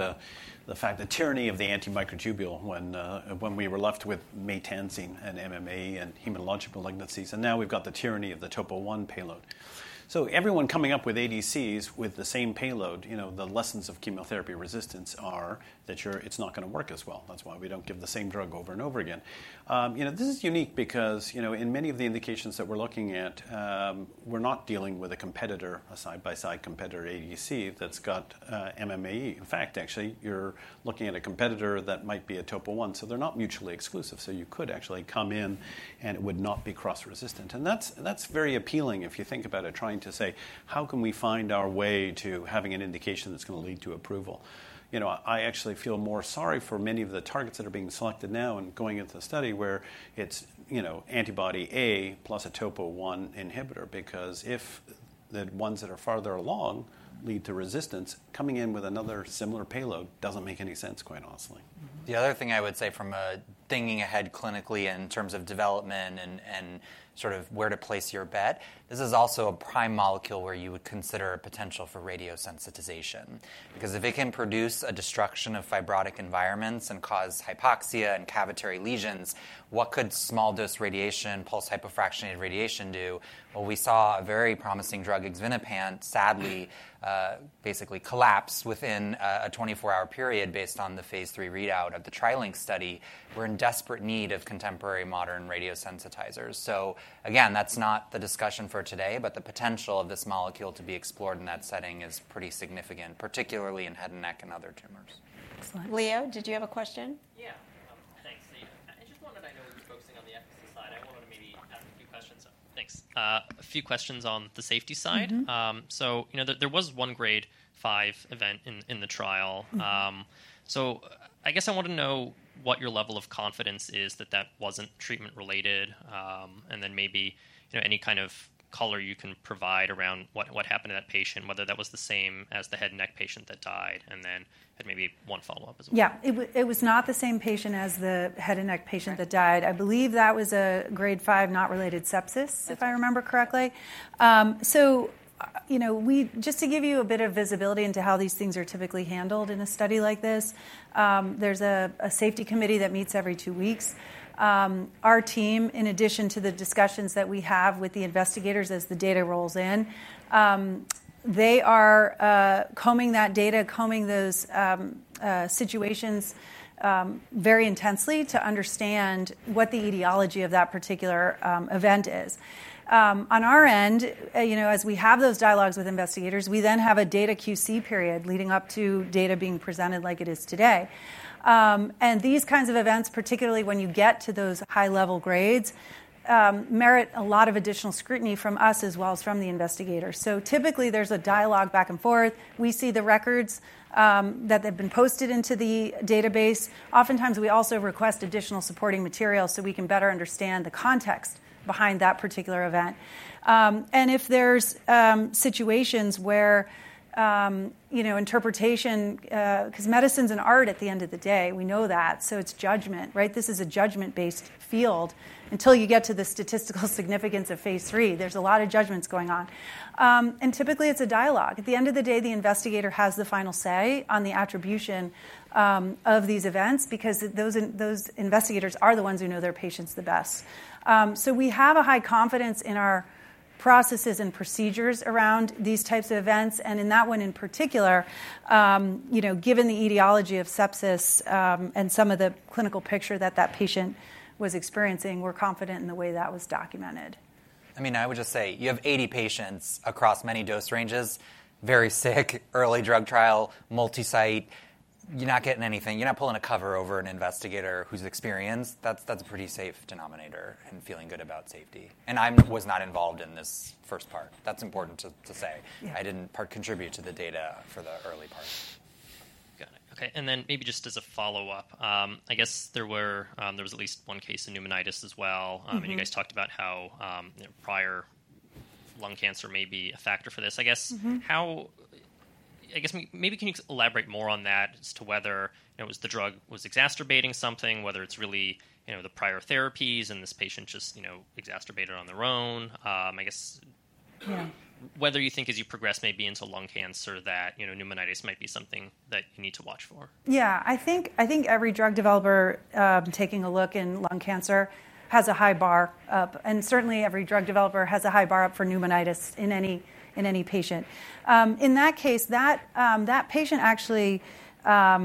the fact, the tyranny of the antimicrotubule when we were left with maytansines and MMAE and hematologic malignancies. And now we've got the tyranny of the topo I payload. So everyone coming up with ADCs with the same payload, the lessons of chemotherapy resistance are that it's not going to work as well. That's why we don't give the same drug over and over again. This is unique because in many of the indications that we're looking at, we're not dealing with a competitor, a side-by-side competitor ADC that's got MMAE. In fact, actually, you're looking at a competitor that might be a topo I. So they're not mutually exclusive. So you could actually come in, and it would not be cross-resistant. And that's very appealing if you think about it, trying to say, how can we find our way to having an indication that's going to lead to approval? I actually feel more sorry for many of the targets that are being selected now and going into the study where it's antibody A plus a Topo I inhibitor because if the ones that are farther along lead to resistance, coming in with another similar payload doesn't make any sense, quite honestly. The other thing I would say from thinking ahead clinically in terms of development and sort of where to place your bet, this is also a prime molecule where you would consider a potential for radiosensitization. Because if it can produce a destruction of fibrotic environments and cause hypoxia and cavitary lesions, what could small-dose radiation, pulse hypofractionated radiation do? We saw a very promising drug, xevinapant, sadly basically collapse within a 24-hour period based on the phase III readout of the TrilynX study. We're in desperate need of contemporary modern radiosensitizers. Again, that's not the discussion for today, but the potential of this molecule to be explored in that setting is pretty significant, particularly in head and neck and other tumors. Leo, did you have a question? Yeah. Thanks, Leo. I just wanted to know you were focusing on the efficacy side. I wanted to maybe ask a few questions. Thanks. A few questions on the safety side. There was one Grade 5 event in the trial. So I guess I want to know what your level of confidence is that that wasn't treatment-related, and then maybe any kind of color you can provide around what happened to that patient, whether that was the same as the head and neck patient that died and then had maybe one follow-up as well. Yeah. It was not the same patient as the head and neck patient that died. I believe that was a Grade 5 not related sepsis, if I remember correctly. So just to give you a bit of visibility into how these things are typically handled in a study like this, there's a safety committee that meets every two weeks. Our team, in addition to the discussions that we have with the investigators as the data rolls in, they are combing that data, combing those situations very intensely to understand what the etiology of that particular event is. On our end, as we have those dialogues with investigators, we then have a data QC period leading up to data being presented like it is today. And these kinds of events, particularly when you get to those high-level grades, merit a lot of additional scrutiny from us as well as from the investigators. So typically, there's a dialogue back and forth. We see the records that have been posted into the database. Oftentimes, we also request additional supporting material so we can better understand the context behind that particular event. And if there's situations where interpretation, because medicine's an art at the end of the day, we know that. So it's judgment, right? This is a judgment-based field. Until you get to the statistical significance of phase III, there's a lot of judgments going on. And typically, it's a dialogue. At the end of the day, the investigator has the final say on the attribution of these events because those investigators are the ones who know their patients the best. So we have a high confidence in our processes and procedures around these types of events. And in that one in particular, given the etiology of sepsis and some of the clinical picture that that patient was experiencing, we're confident in the way that was documented. I mean, I would just say you have 80 patients across many dose ranges, very sick, early drug trial, multi-site. You're not getting anything. You're not pulling a cover over an investigator who's experienced. That's a pretty safe denominator, and feeling good about safety. I was not involved in this first part. That's important to say. I didn't personally contribute to the data for the early part. Got it. Okay, and then maybe just as a follow-up, I guess there was at least one case of pneumonitis as well. You guys talked about how prior lung cancer may be a factor for this. I guess maybe can you elaborate more on that as to whether the drug was exacerbating something, whether it's really the prior therapies and this patient just exacerbated on their own. I guess whether you think as you progress maybe into lung cancer that pneumonitis might be something that you need to watch for. Yeah. I think every drug developer taking a look in lung cancer has a high bar up. And certainly, every drug developer has a high bar up for pneumonitis in any patient. In that case, that patient actually, that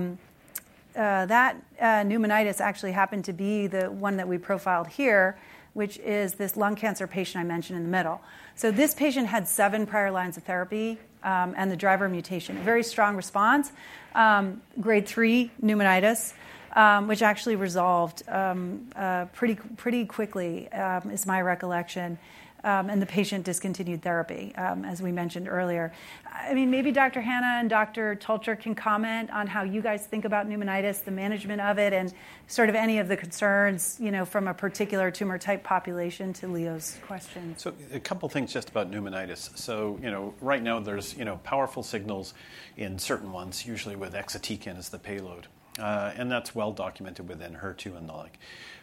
pneumonitis actually happened to be the one that we profiled here, which is this lung cancer patient I mentioned in the middle. So this patient had seven prior lines of therapy and the driver mutation, a very strong response, grade three pneumonitis, which actually resolved pretty quickly, is my recollection. And the patient discontinued therapy, as we mentioned earlier. I mean, maybe Dr. Hanna and Dr. Tolcher can comment on how you guys think about pneumonitis, the management of it, and sort of any of the concerns from a particular tumor type population to Leo's question. So a couple of things just about pneumonitis. So right now, there's powerful signals in certain ones, usually with exatecan as the payload. And that's well documented within HER2 and NOLIC.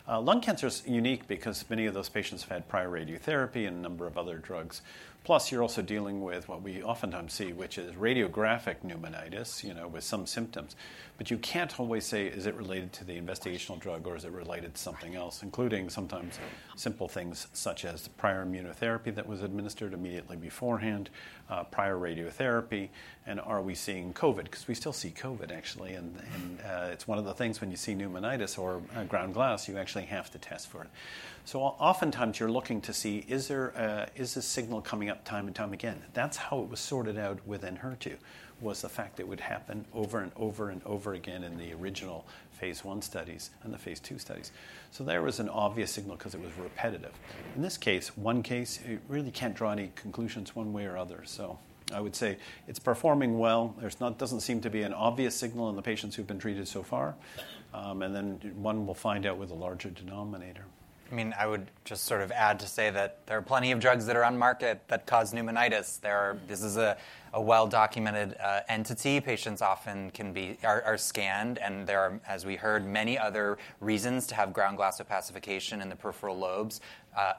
Lung cancer is unique because many of those patients have had prior radiotherapy and a number of other drugs, plus, you're also dealing with what we oftentimes see, which is radiographic pneumonitis with some symptoms, but you can't always say, is it related to the investigational drug, or is it related to something else, including sometimes simple things such as prior immunotherapy that was administered immediately beforehand, prior radiotherapy, and are we seeing COVID? Because we still see COVID, actually, and it's one of the things when you see pneumonitis or ground glass, you actually have to test for it, so oftentimes, you're looking to see, is this signal coming up time and time again? That's how it was sorted out within HER2, was the fact it would happen over and over and over again in the original phase I studies and the phase II studies. So there was an obvious signal because it was repetitive. In this case, one case, you really can't draw any conclusions one way or the other. So I would say it's performing well. There doesn't seem to be an obvious signal in the patients who've been treated so far. And then one will find out with a larger denominator. I mean, I would just sort of add to say that there are plenty of drugs that are on the market that cause pneumonitis. This is a well-documented entity. Patients often can be scanned. And there are, as we heard, many other reasons to have ground glass opacification in the peripheral lobes.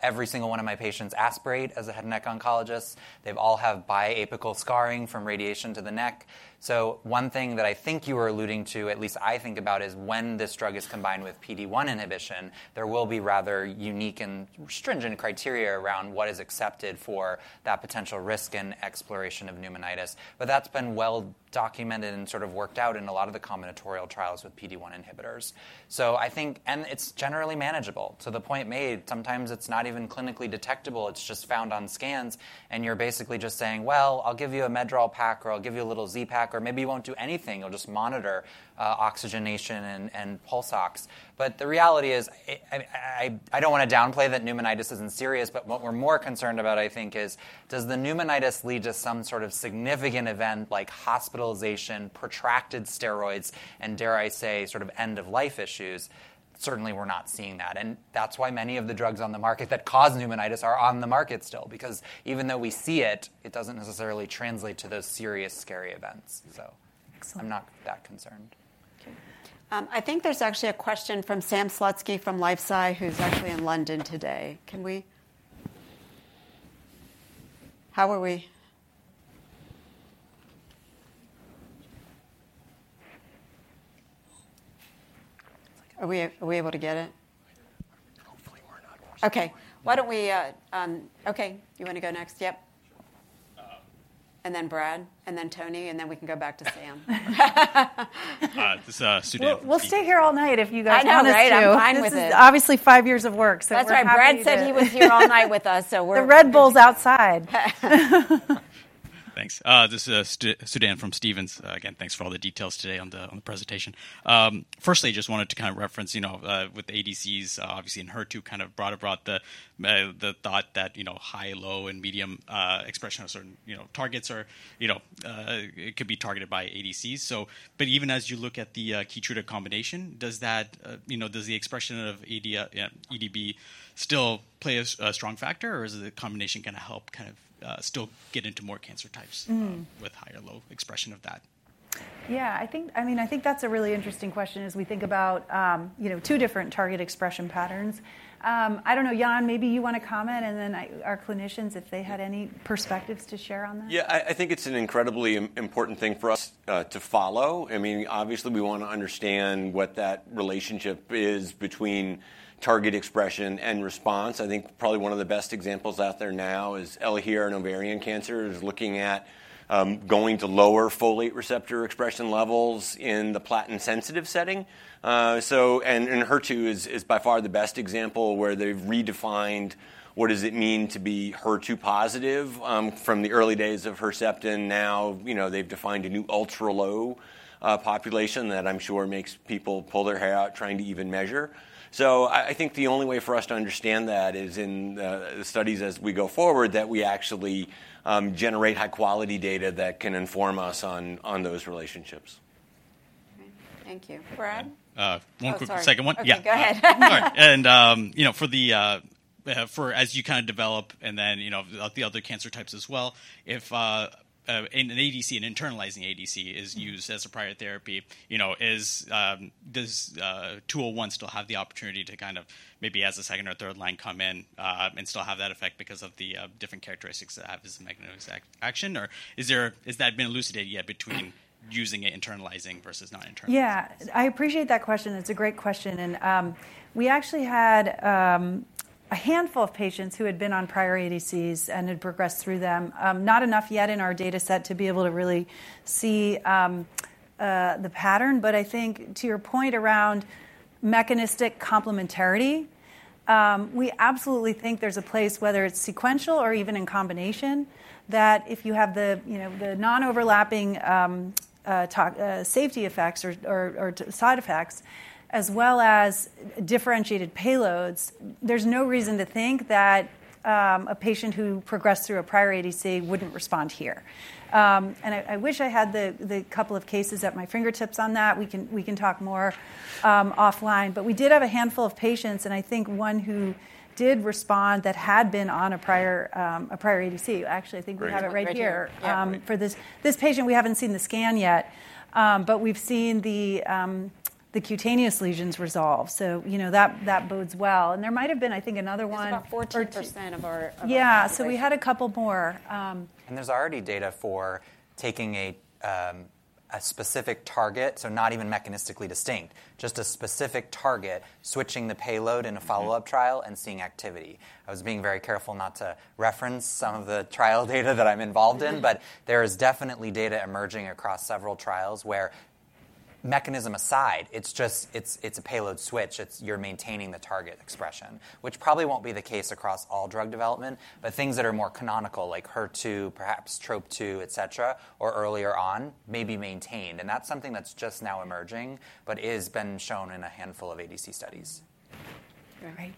Every single one of my patients aspirate, as a head and neck oncologist. They all have biapical scarring from radiation to the neck. So one thing that I think you were alluding to, at least I think about, is when this drug is combined with PD-1 inhibition, there will be rather unique and stringent criteria around what is accepted for that potential risk and exploration of pneumonitis. But that's been well documented and sort of worked out in a lot of the combinatorial trials with PD-1 inhibitors. So I think, and it's generally manageable to the point made. Sometimes it's not even clinically detectable. It's just found on scans. And you're basically just saying, well, I'll give you a Medrol pack, or I'll give you a little Z-Pak, or maybe you won't do anything. You'll just monitor oxygenation and pulse ox. But the reality is, I don't want to downplay that pneumonitis isn't serious. But what we're more concerned about, I think, is does the pneumonitis lead to some sort of significant event like hospitalization, protracted steroids, and dare I say, sort of end-of-life issues? Certainly, we're not seeing that. And that's why many of the drugs on the market that cause pneumonitis are on the market still. Because even though we see it, it doesn't necessarily translate to those serious scary events. So I'm not that concerned. I think there's actually a question from Sam Slutsky from LifeSci who's actually in London today. Can we? How are we? Are we able to get it? Hopefully, we're not. Okay. Okay. You want to go next? Yep. And then Brad, and then Tony, and then we can go back to Sam. We'll stay here all night if you guys want us to. I know. I know. I'm fine with it. This is obviously five years of work, so we're going to have to. That's right. Brad said he was here all night with us, so we're going to. The Red Bull's outside. Thanks. This is Sudan from Stephens. Again, thanks for all the details today on the presentation. Firstly, I just wanted to kind of reference with the ADCs, obviously, and HER2 kind of brought about the thought that high, low, and medium expression of certain targets could be targeted by ADCs. But even as you look at the KEYTRUDA combination, does the expression of EDB still play a strong factor, or is the combination going to help kind of still get into more cancer types with high or low expression of that? Yeah. I mean, I think that's a really interesting question as we think about two different target expression patterns. I don't know. Jan, maybe you want to comment, and then our clinicians, if they had any perspectives to share on that. Yeah. I think it's an incredibly important thing for us to follow. I mean, obviously, we want to understand what that relationship is between target expression and response. I think probably one of the best examples out there now is, Elahere in ovarian cancer, is looking at going to lower folate receptor expression levels in the platinum-sensitive setting. And HER2 is by far the best example where they've redefined what does it mean to be HER2 positive from the early days of Herceptin. Now they've defined a new ultra low population that I'm sure makes people pull their hair out trying to even measure. So, I think the only way for us to understand that is in the studies as we go forward that we actually generate high-quality data that can inform us on those relationships. Thank you. Brad? One quick second. Yeah. Go ahead. And as you kind of develop and then the other cancer types as well, if an ADC, an internalizing ADC, is used as a prior therapy, does 201 still have the opportunity to kind of maybe as a second or third line come in and still have that effect because of the different characteristics it has as a mechanism of action? Or has that been elucidated yet between using it internalizing versus not internalizing? Yeah. I appreciate that question. It's a great question. And we actually had a handful of patients who had been on prior ADCs and had progressed through them. Not enough yet in our data set to be able to really see the pattern, but I think to your point around mechanistic complementarity, we absolutely think there's a place, whether it's sequential or even in combination, that if you have the non-overlapping safety effects or side effects as well as differentiated payloads, there's no reason to think that a patient who progressed through a prior ADC wouldn't respond here, and I wish I had the couple of cases at my fingertips on that. We can talk more offline, but we did have a handful of patients, and I think one who did respond that had been on a prior ADC. Actually, I think we have it right here. This patient, we haven't seen the scan yet, but we've seen the cutaneous lesions resolve. So that bodes well, and there might have been, I think, another one. It's about 14% of our patients. Yeah. So we had a couple more. And there's already data for taking a specific target, so not even mechanistically distinct, just a specific target, switching the payload in a follow-up trial and seeing activity. I was being very careful not to reference some of the trial data that I'm involved in. But there is definitely data emerging across several trials where mechanism aside, it's a payload switch. You're maintaining the target expression, which probably won't be the case across all drug development. But things that are more canonical, like HER2, perhaps Trop-2, et cetera, or earlier on, may be maintained. And that's something that's just now emerging but has been shown in a handful of ADC studies. All right.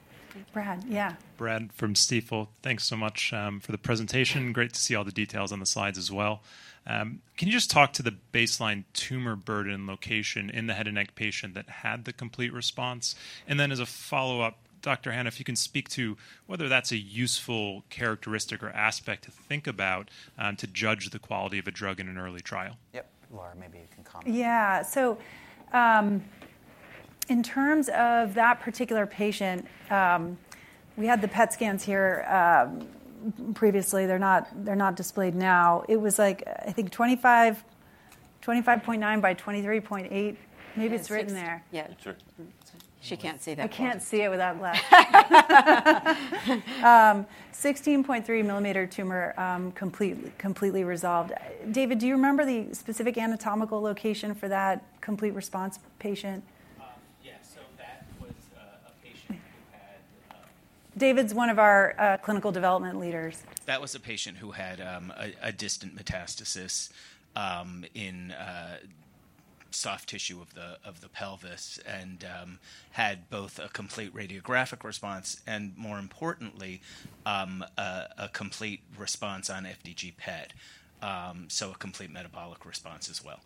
Brad, yeah. Brad from Stifel. Thanks so much for the presentation. Great to see all the details on the slides as well. Can you just talk to the baseline tumor burden location in the head and neck patient that had the complete response? And then as a follow-up, Dr. Hanna, if you can speak to whether that's a useful characteristic or aspect to think about to judge the quality of a drug in an early trial. Yep. Or maybe you can comment. Yeah. So in terms of that particular patient, we had the PET scans here previously. They're not displayed now. It was like, I think, 25.9 by 23.8. Maybe it's written there. Yeah. Sure. She can't see that. I can't see it without glasses. 16.3 millimeter tumor completely resolved. David, do you remember the specific anatomical location for that complete response patient? Yeah. So that was a patient who had. David's one of our clinical development leaders. That was a patient who had a distant metastasis in soft tissue of the pelvis and had both a complete radiographic response and, more importantly, a complete response on FDG PET, so a complete metabolic response as well.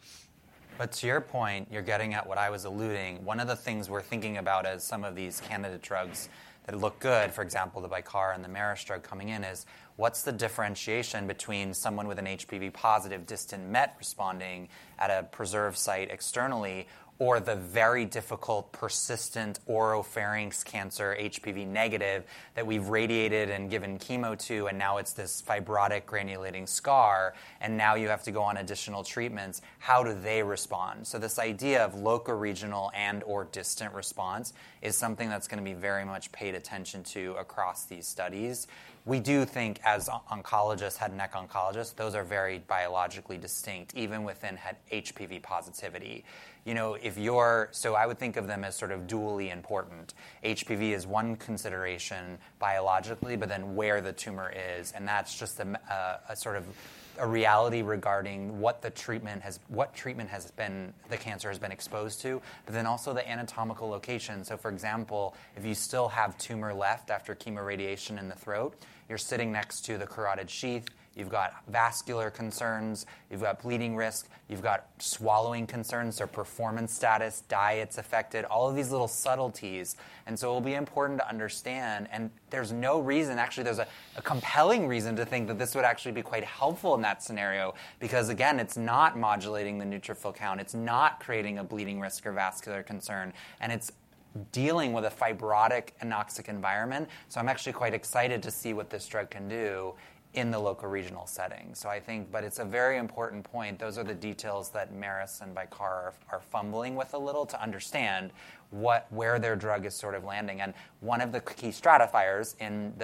But to your point, you're getting at what I was alluding to. One of the things we're thinking about as some of these candidate drugs that look good, for example, the Bicara and the Merus's drug coming in, is what's the differentiation between someone with an HPV positive distant met responding at a preserved site externally or the very difficult persistent oropharynx cancer, HPV negative, that we've radiated and given chemo to, and now it's this fibrotic granulating scar, and now you have to go on additional treatments. How do they respond? This idea of locoregional and/or distant response is something that's going to be very much paid attention to across these studies. We do think, as oncologists, head and neck oncologists, those are very biologically distinct, even within HPV positivity. I would think of them as sort of dually important. HPV is one consideration biologically, but then where the tumor is. That's just a sort of a reality regarding what treatment the cancer has been exposed to, but then also the anatomical location. For example, if you still have tumor left after chemoradiation in the throat, you're sitting next to the carotid sheath. You've got vascular concerns. You've got bleeding risk. You've got swallowing concerns or performance status. Diet's affected. All of these little subtleties. It will be important to understand. There's no reason, actually, there's a compelling reason to think that this would actually be quite helpful in that scenario because, again, it's not modulating the neutrophil count. It's not creating a bleeding risk or vascular concern. It's dealing with a fibrotic and toxic environment. I'm actually quite excited to see what this drug can do in the locoregional setting. It's a very important point. Those are the details that Merus and Bicara are fumbling with a little to understand where their drug is sort of landing. One of the key stratifiers in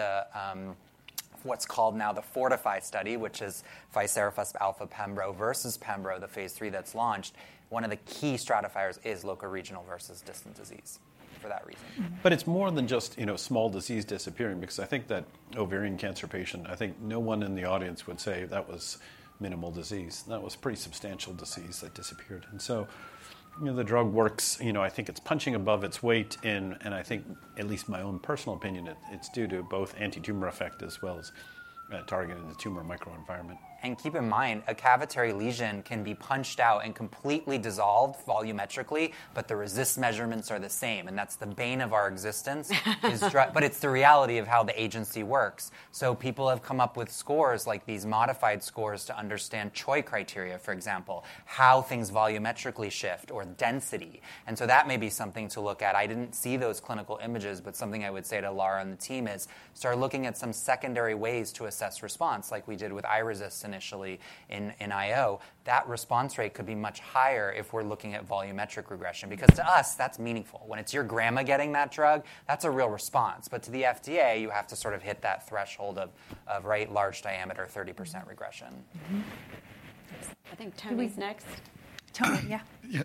what's called now the FORTIFY study, which is ficerafusp alfa pembro versus pembro, the phase 3 that's launched, one of the key stratifiers is locoregional versus distant disease for that reason. But it's more than just small disease disappearing because I think that ovarian cancer patient. I think no one in the audience would say that was minimal disease. That was pretty substantial disease that disappeared. And so the drug works. I think it's punching above its weight. And I think, at least my own personal opinion, it's due to both anti-tumor effect as well as targeting the tumor microenvironment. And keep in mind, a cavitary lesion can be punched out and completely dissolved volumetrically, but the RECIST measurements are the same. And that's the bane of our existence. But it's the reality of how the agency works. So people have come up with scores like these modified scores to understand RECIST criteria, for example, how things volumetrically shift or density. And so that may be something to look at. I didn't see those clinical images, but something I would say to Lara and the team is start looking at some secondary ways to assess response, like we did with iRECIST initially in IO. That response rate could be much higher if we're looking at volumetric regression because to us, that's meaningful. When it's your grandma getting that drug, that's a real response. But to the FDA, you have to sort of hit that threshold of large diameter, 30% regression. I think Tom's next. Tony, yeah. Yeah.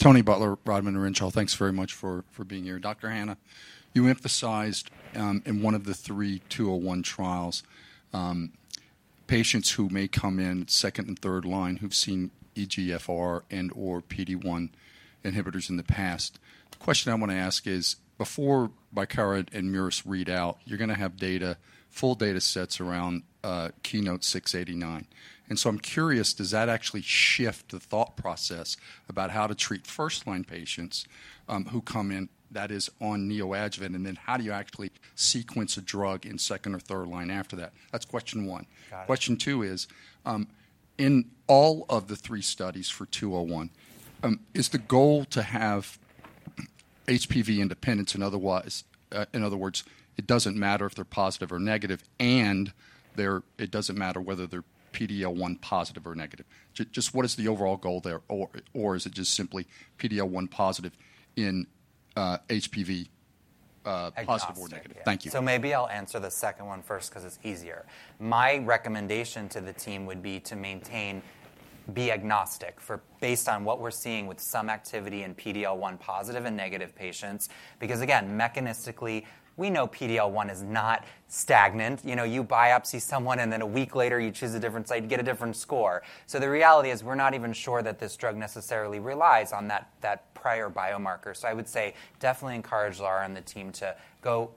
Tony Butler, Rodman & Renshaw, thanks very much for being here. Dr. Glenn Hanna, you emphasized in one of the three PYX-201 trials, patients who may come in second and third line who've seen EGFR and/or PD-1 inhibitors in the past. The question I want to ask is, before Bicara and Merus' read out, you're going to have full data sets around KEYNOTE-689. I'm curious. Does that actually shift the thought process about how to treat first-line patients who come in that is on neoadjuvant? And then how do you actually sequence a drug in second or third line after that? That's question one. Got it. Question two is, in all of the three studies for 201, is the goal to have HPV independence? In other words, it doesn't matter if they're positive or negative, and it doesn't matter whether they're PD-1 positive or negative. Just what is the overall goal there? Or is it just simply PD-1 positive in HPV positive or negative? Thank you. So maybe I'll answer the second one first because it's easier. My recommendation to the team would be to maintain be agnostic based on what we're seeing with some activity in PD-1 positive and negative patients because, again, mechanistically, we know PD-1 is not stagnant. You biopsy someone, and then a week later, you choose a different site and get a different score. So the reality is we're not even sure that this drug necessarily relies on that prior biomarker. So I would say definitely encourage Lara and the team to go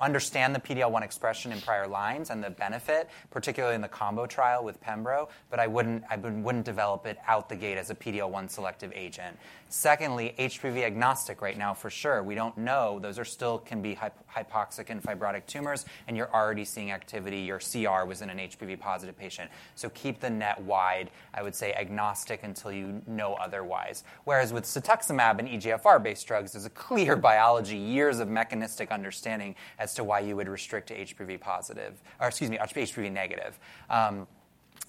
understand the PD-1 expression in prior lines and the benefit, particularly in the combo trial with pembro. But I wouldn't develop it out the gate as a PD-1 selective agent. Secondly, HPV agnostic right now for sure. We don't know. Those still can be hypoxic and fibrotic tumors, and you're already seeing activity. Your CR was in an HPV positive patient. So keep the net wide. I would say agnostic until you know otherwise. Whereas with cetuximab and EGFR-based drugs, there's a clear biology, years of mechanistic understanding as to why you would restrict to HPV positive or, excuse me, HPV negative.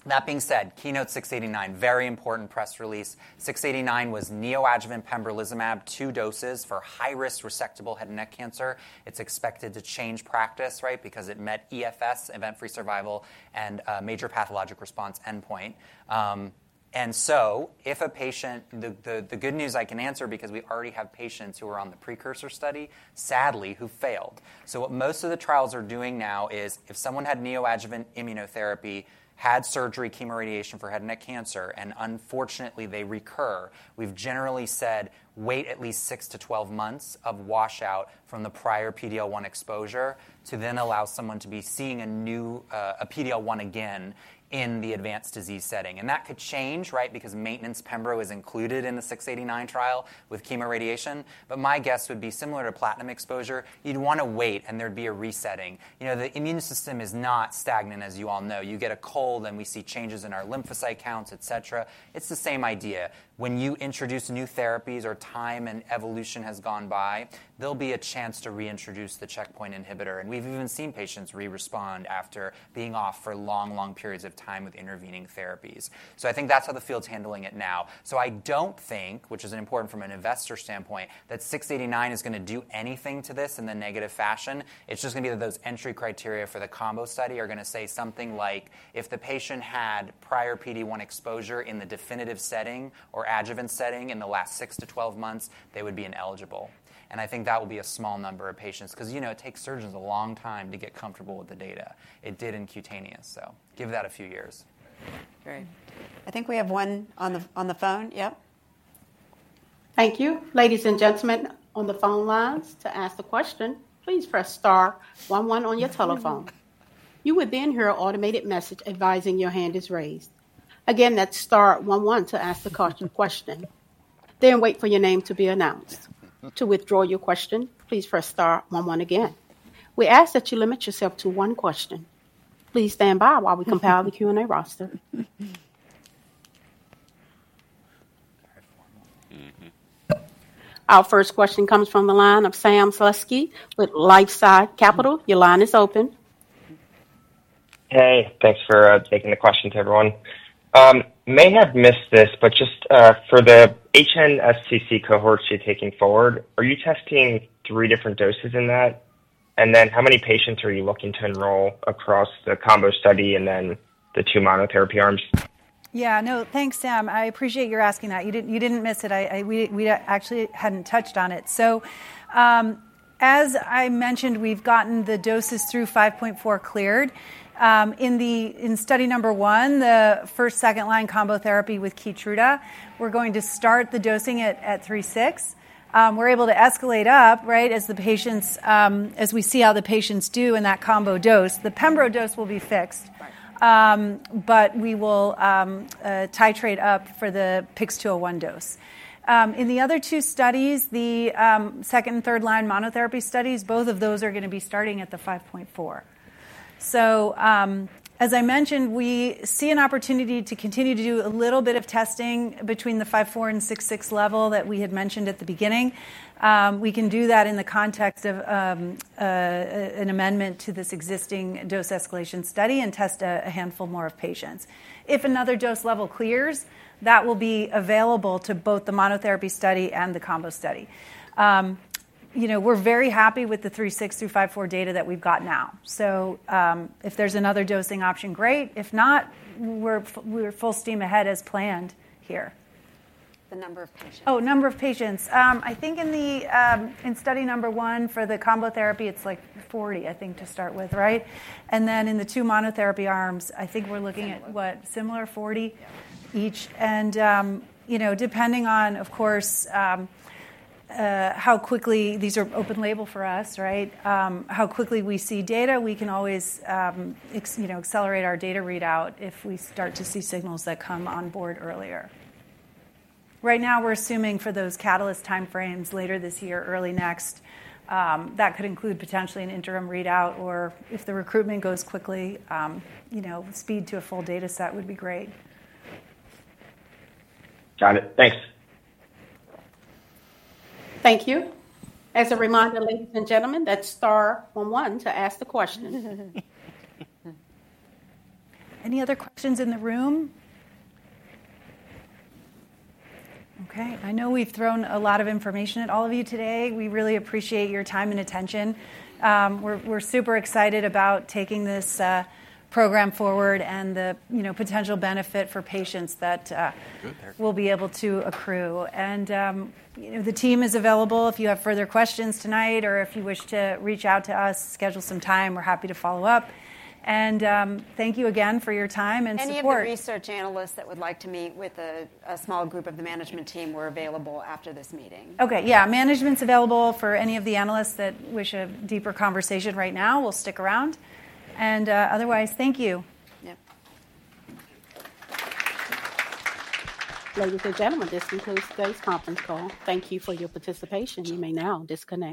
That being said, KEYNOTE-689, very important press release. 689 was neoadjuvant pembrolizumab, two doses for high-risk resectable head and neck cancer. It's expected to change practice, right, because it met EFS, event-free survival, and major pathologic response endpoint, and so if a patient, the good news, I can answer, because we already have patients who are on the precursor study, sadly, who failed, so what most of the trials are doing now is if someone had neoadjuvant immunotherapy, had surgery, chemoradiation for head and neck cancer, and unfortunately, they recur, we've generally said wait at least six to 12 months of washout from the prior PD-1 exposure to then allow someone to be seeing a PD-1 again in the advanced disease setting, and that could change, right, because maintenance pembro is included in the 689 trial with chemoradiation, but my guess would be similar to platinum exposure. You'd want to wait, and there'd be a resetting. The immune system is not stagnant, as you all know. You get a cold, and we see changes in our lymphocyte counts, et cetera. It's the same idea. When you introduce new therapies or time and evolution has gone by, there'll be a chance to reintroduce the checkpoint inhibitor. And we've even seen patients re-respond after being off for long, long periods of time with intervening therapies. So I think that's how the field's handling it now. So I don't think, which is important from an investor standpoint, that 689 is going to do anything to this in the negative fashion. It's just going to be that those entry criteria for the combo study are going to say something like, if the patient had prior PD-1 exposure in the definitive setting or adjuvant setting in the last six to 12 months, they would be ineligible. And I think that will be a small number of patients because it takes surgeons a long time to get comfortable with the data. It did in cutaneous, so give that a few years. Great. I think we have one on the phone. Yep. Thank you. Ladies and gentlemen on the phone lines, to ask a question, please press star 11 on your telephone. You will then hear an automated message advising that your hand is raised. Again, that's star one one to ask a question. Then wait for your name to be announced. To withdraw your question, please press star one one again. We ask that you limit yourself to one question. Please stand by while we compile the Q&A roster. Our first question comes from the line of Sam Slutsky with LifeSci Capital. Your line is open. Hey. Thanks for taking the question to everyone. I may have missed this, but just for the HNSCC cohorts you're taking forward, are you testing three different doses in that? And then how many patients are you looking to enroll across the combo study and then the two monotherapy arms? Yeah. No, thanks, Sam. I appreciate your asking that. You didn't miss it. We actually hadn't touched on it. So as I mentioned, we've gotten the doses through 5.4 cleared. In study number one, the first, second-line combo therapy with KEYTRUDA, we're going to start the dosing at 3.6. We're able to escalate up, right, as we see how the patients do in that combo dose. The pembro dose will be fixed, but we will titrate up for the PYX-201 dose. In the other two studies, the second and third-line monotherapy studies, both of those are going to be starting at the 5.4. So as I mentioned, we see an opportunity to continue to do a little bit of testing between the 5.4 and 6.6 level that we had mentioned at the beginning. We can do that in the context of an amendment to this existing dose escalation study and test a handful more of patients. If another dose level clears, that will be available to both the monotherapy study and the combo study. We're very happy with the 3.6 through 5.4 data that we've got now. So if there's another dosing option, great. If not, we're full steam ahead as planned here. The number of patients. Oh, number of patients. I think in study number one for the combo therapy, it's like 40, I think, to start with, right? And then in the two monotherapy arms, I think we're looking at what? Similar 40 each. And depending on, of course, how quickly these are open label for us, right? How quickly we see data, we can always accelerate our data readout if we start to see signals that come on board earlier. Right now, we're assuming for those catalyst time frames later this year, early next, that could include potentially an interim readout. Or if the recruitment goes quickly, speed to a full data set would be great. Got it. Thanks. Thank you. As a reminder, ladies and gentlemen, that's star one one to ask the question. Any other questions in the room? Okay. I know we've thrown a lot of information at all of you today. We really appreciate your time and attention. We're super excited about taking this program forward and the potential benefit for patients that we'll be able to accrue. And the team is available if you have further questions tonight or if you wish to reach out to us, schedule some time. We're happy to follow up. And thank you again for your time and support. Any of the research analysts that would like to meet with a small group of the management team, we're available after this meeting. Okay. Yeah. Management's available for any of the analysts that wish a deeper conversation right now. We'll stick around. And otherwise, thank you. Yep. Ladies and gentlemen, this concludes today's conference call. Thank you for your participation. You may now disconnect.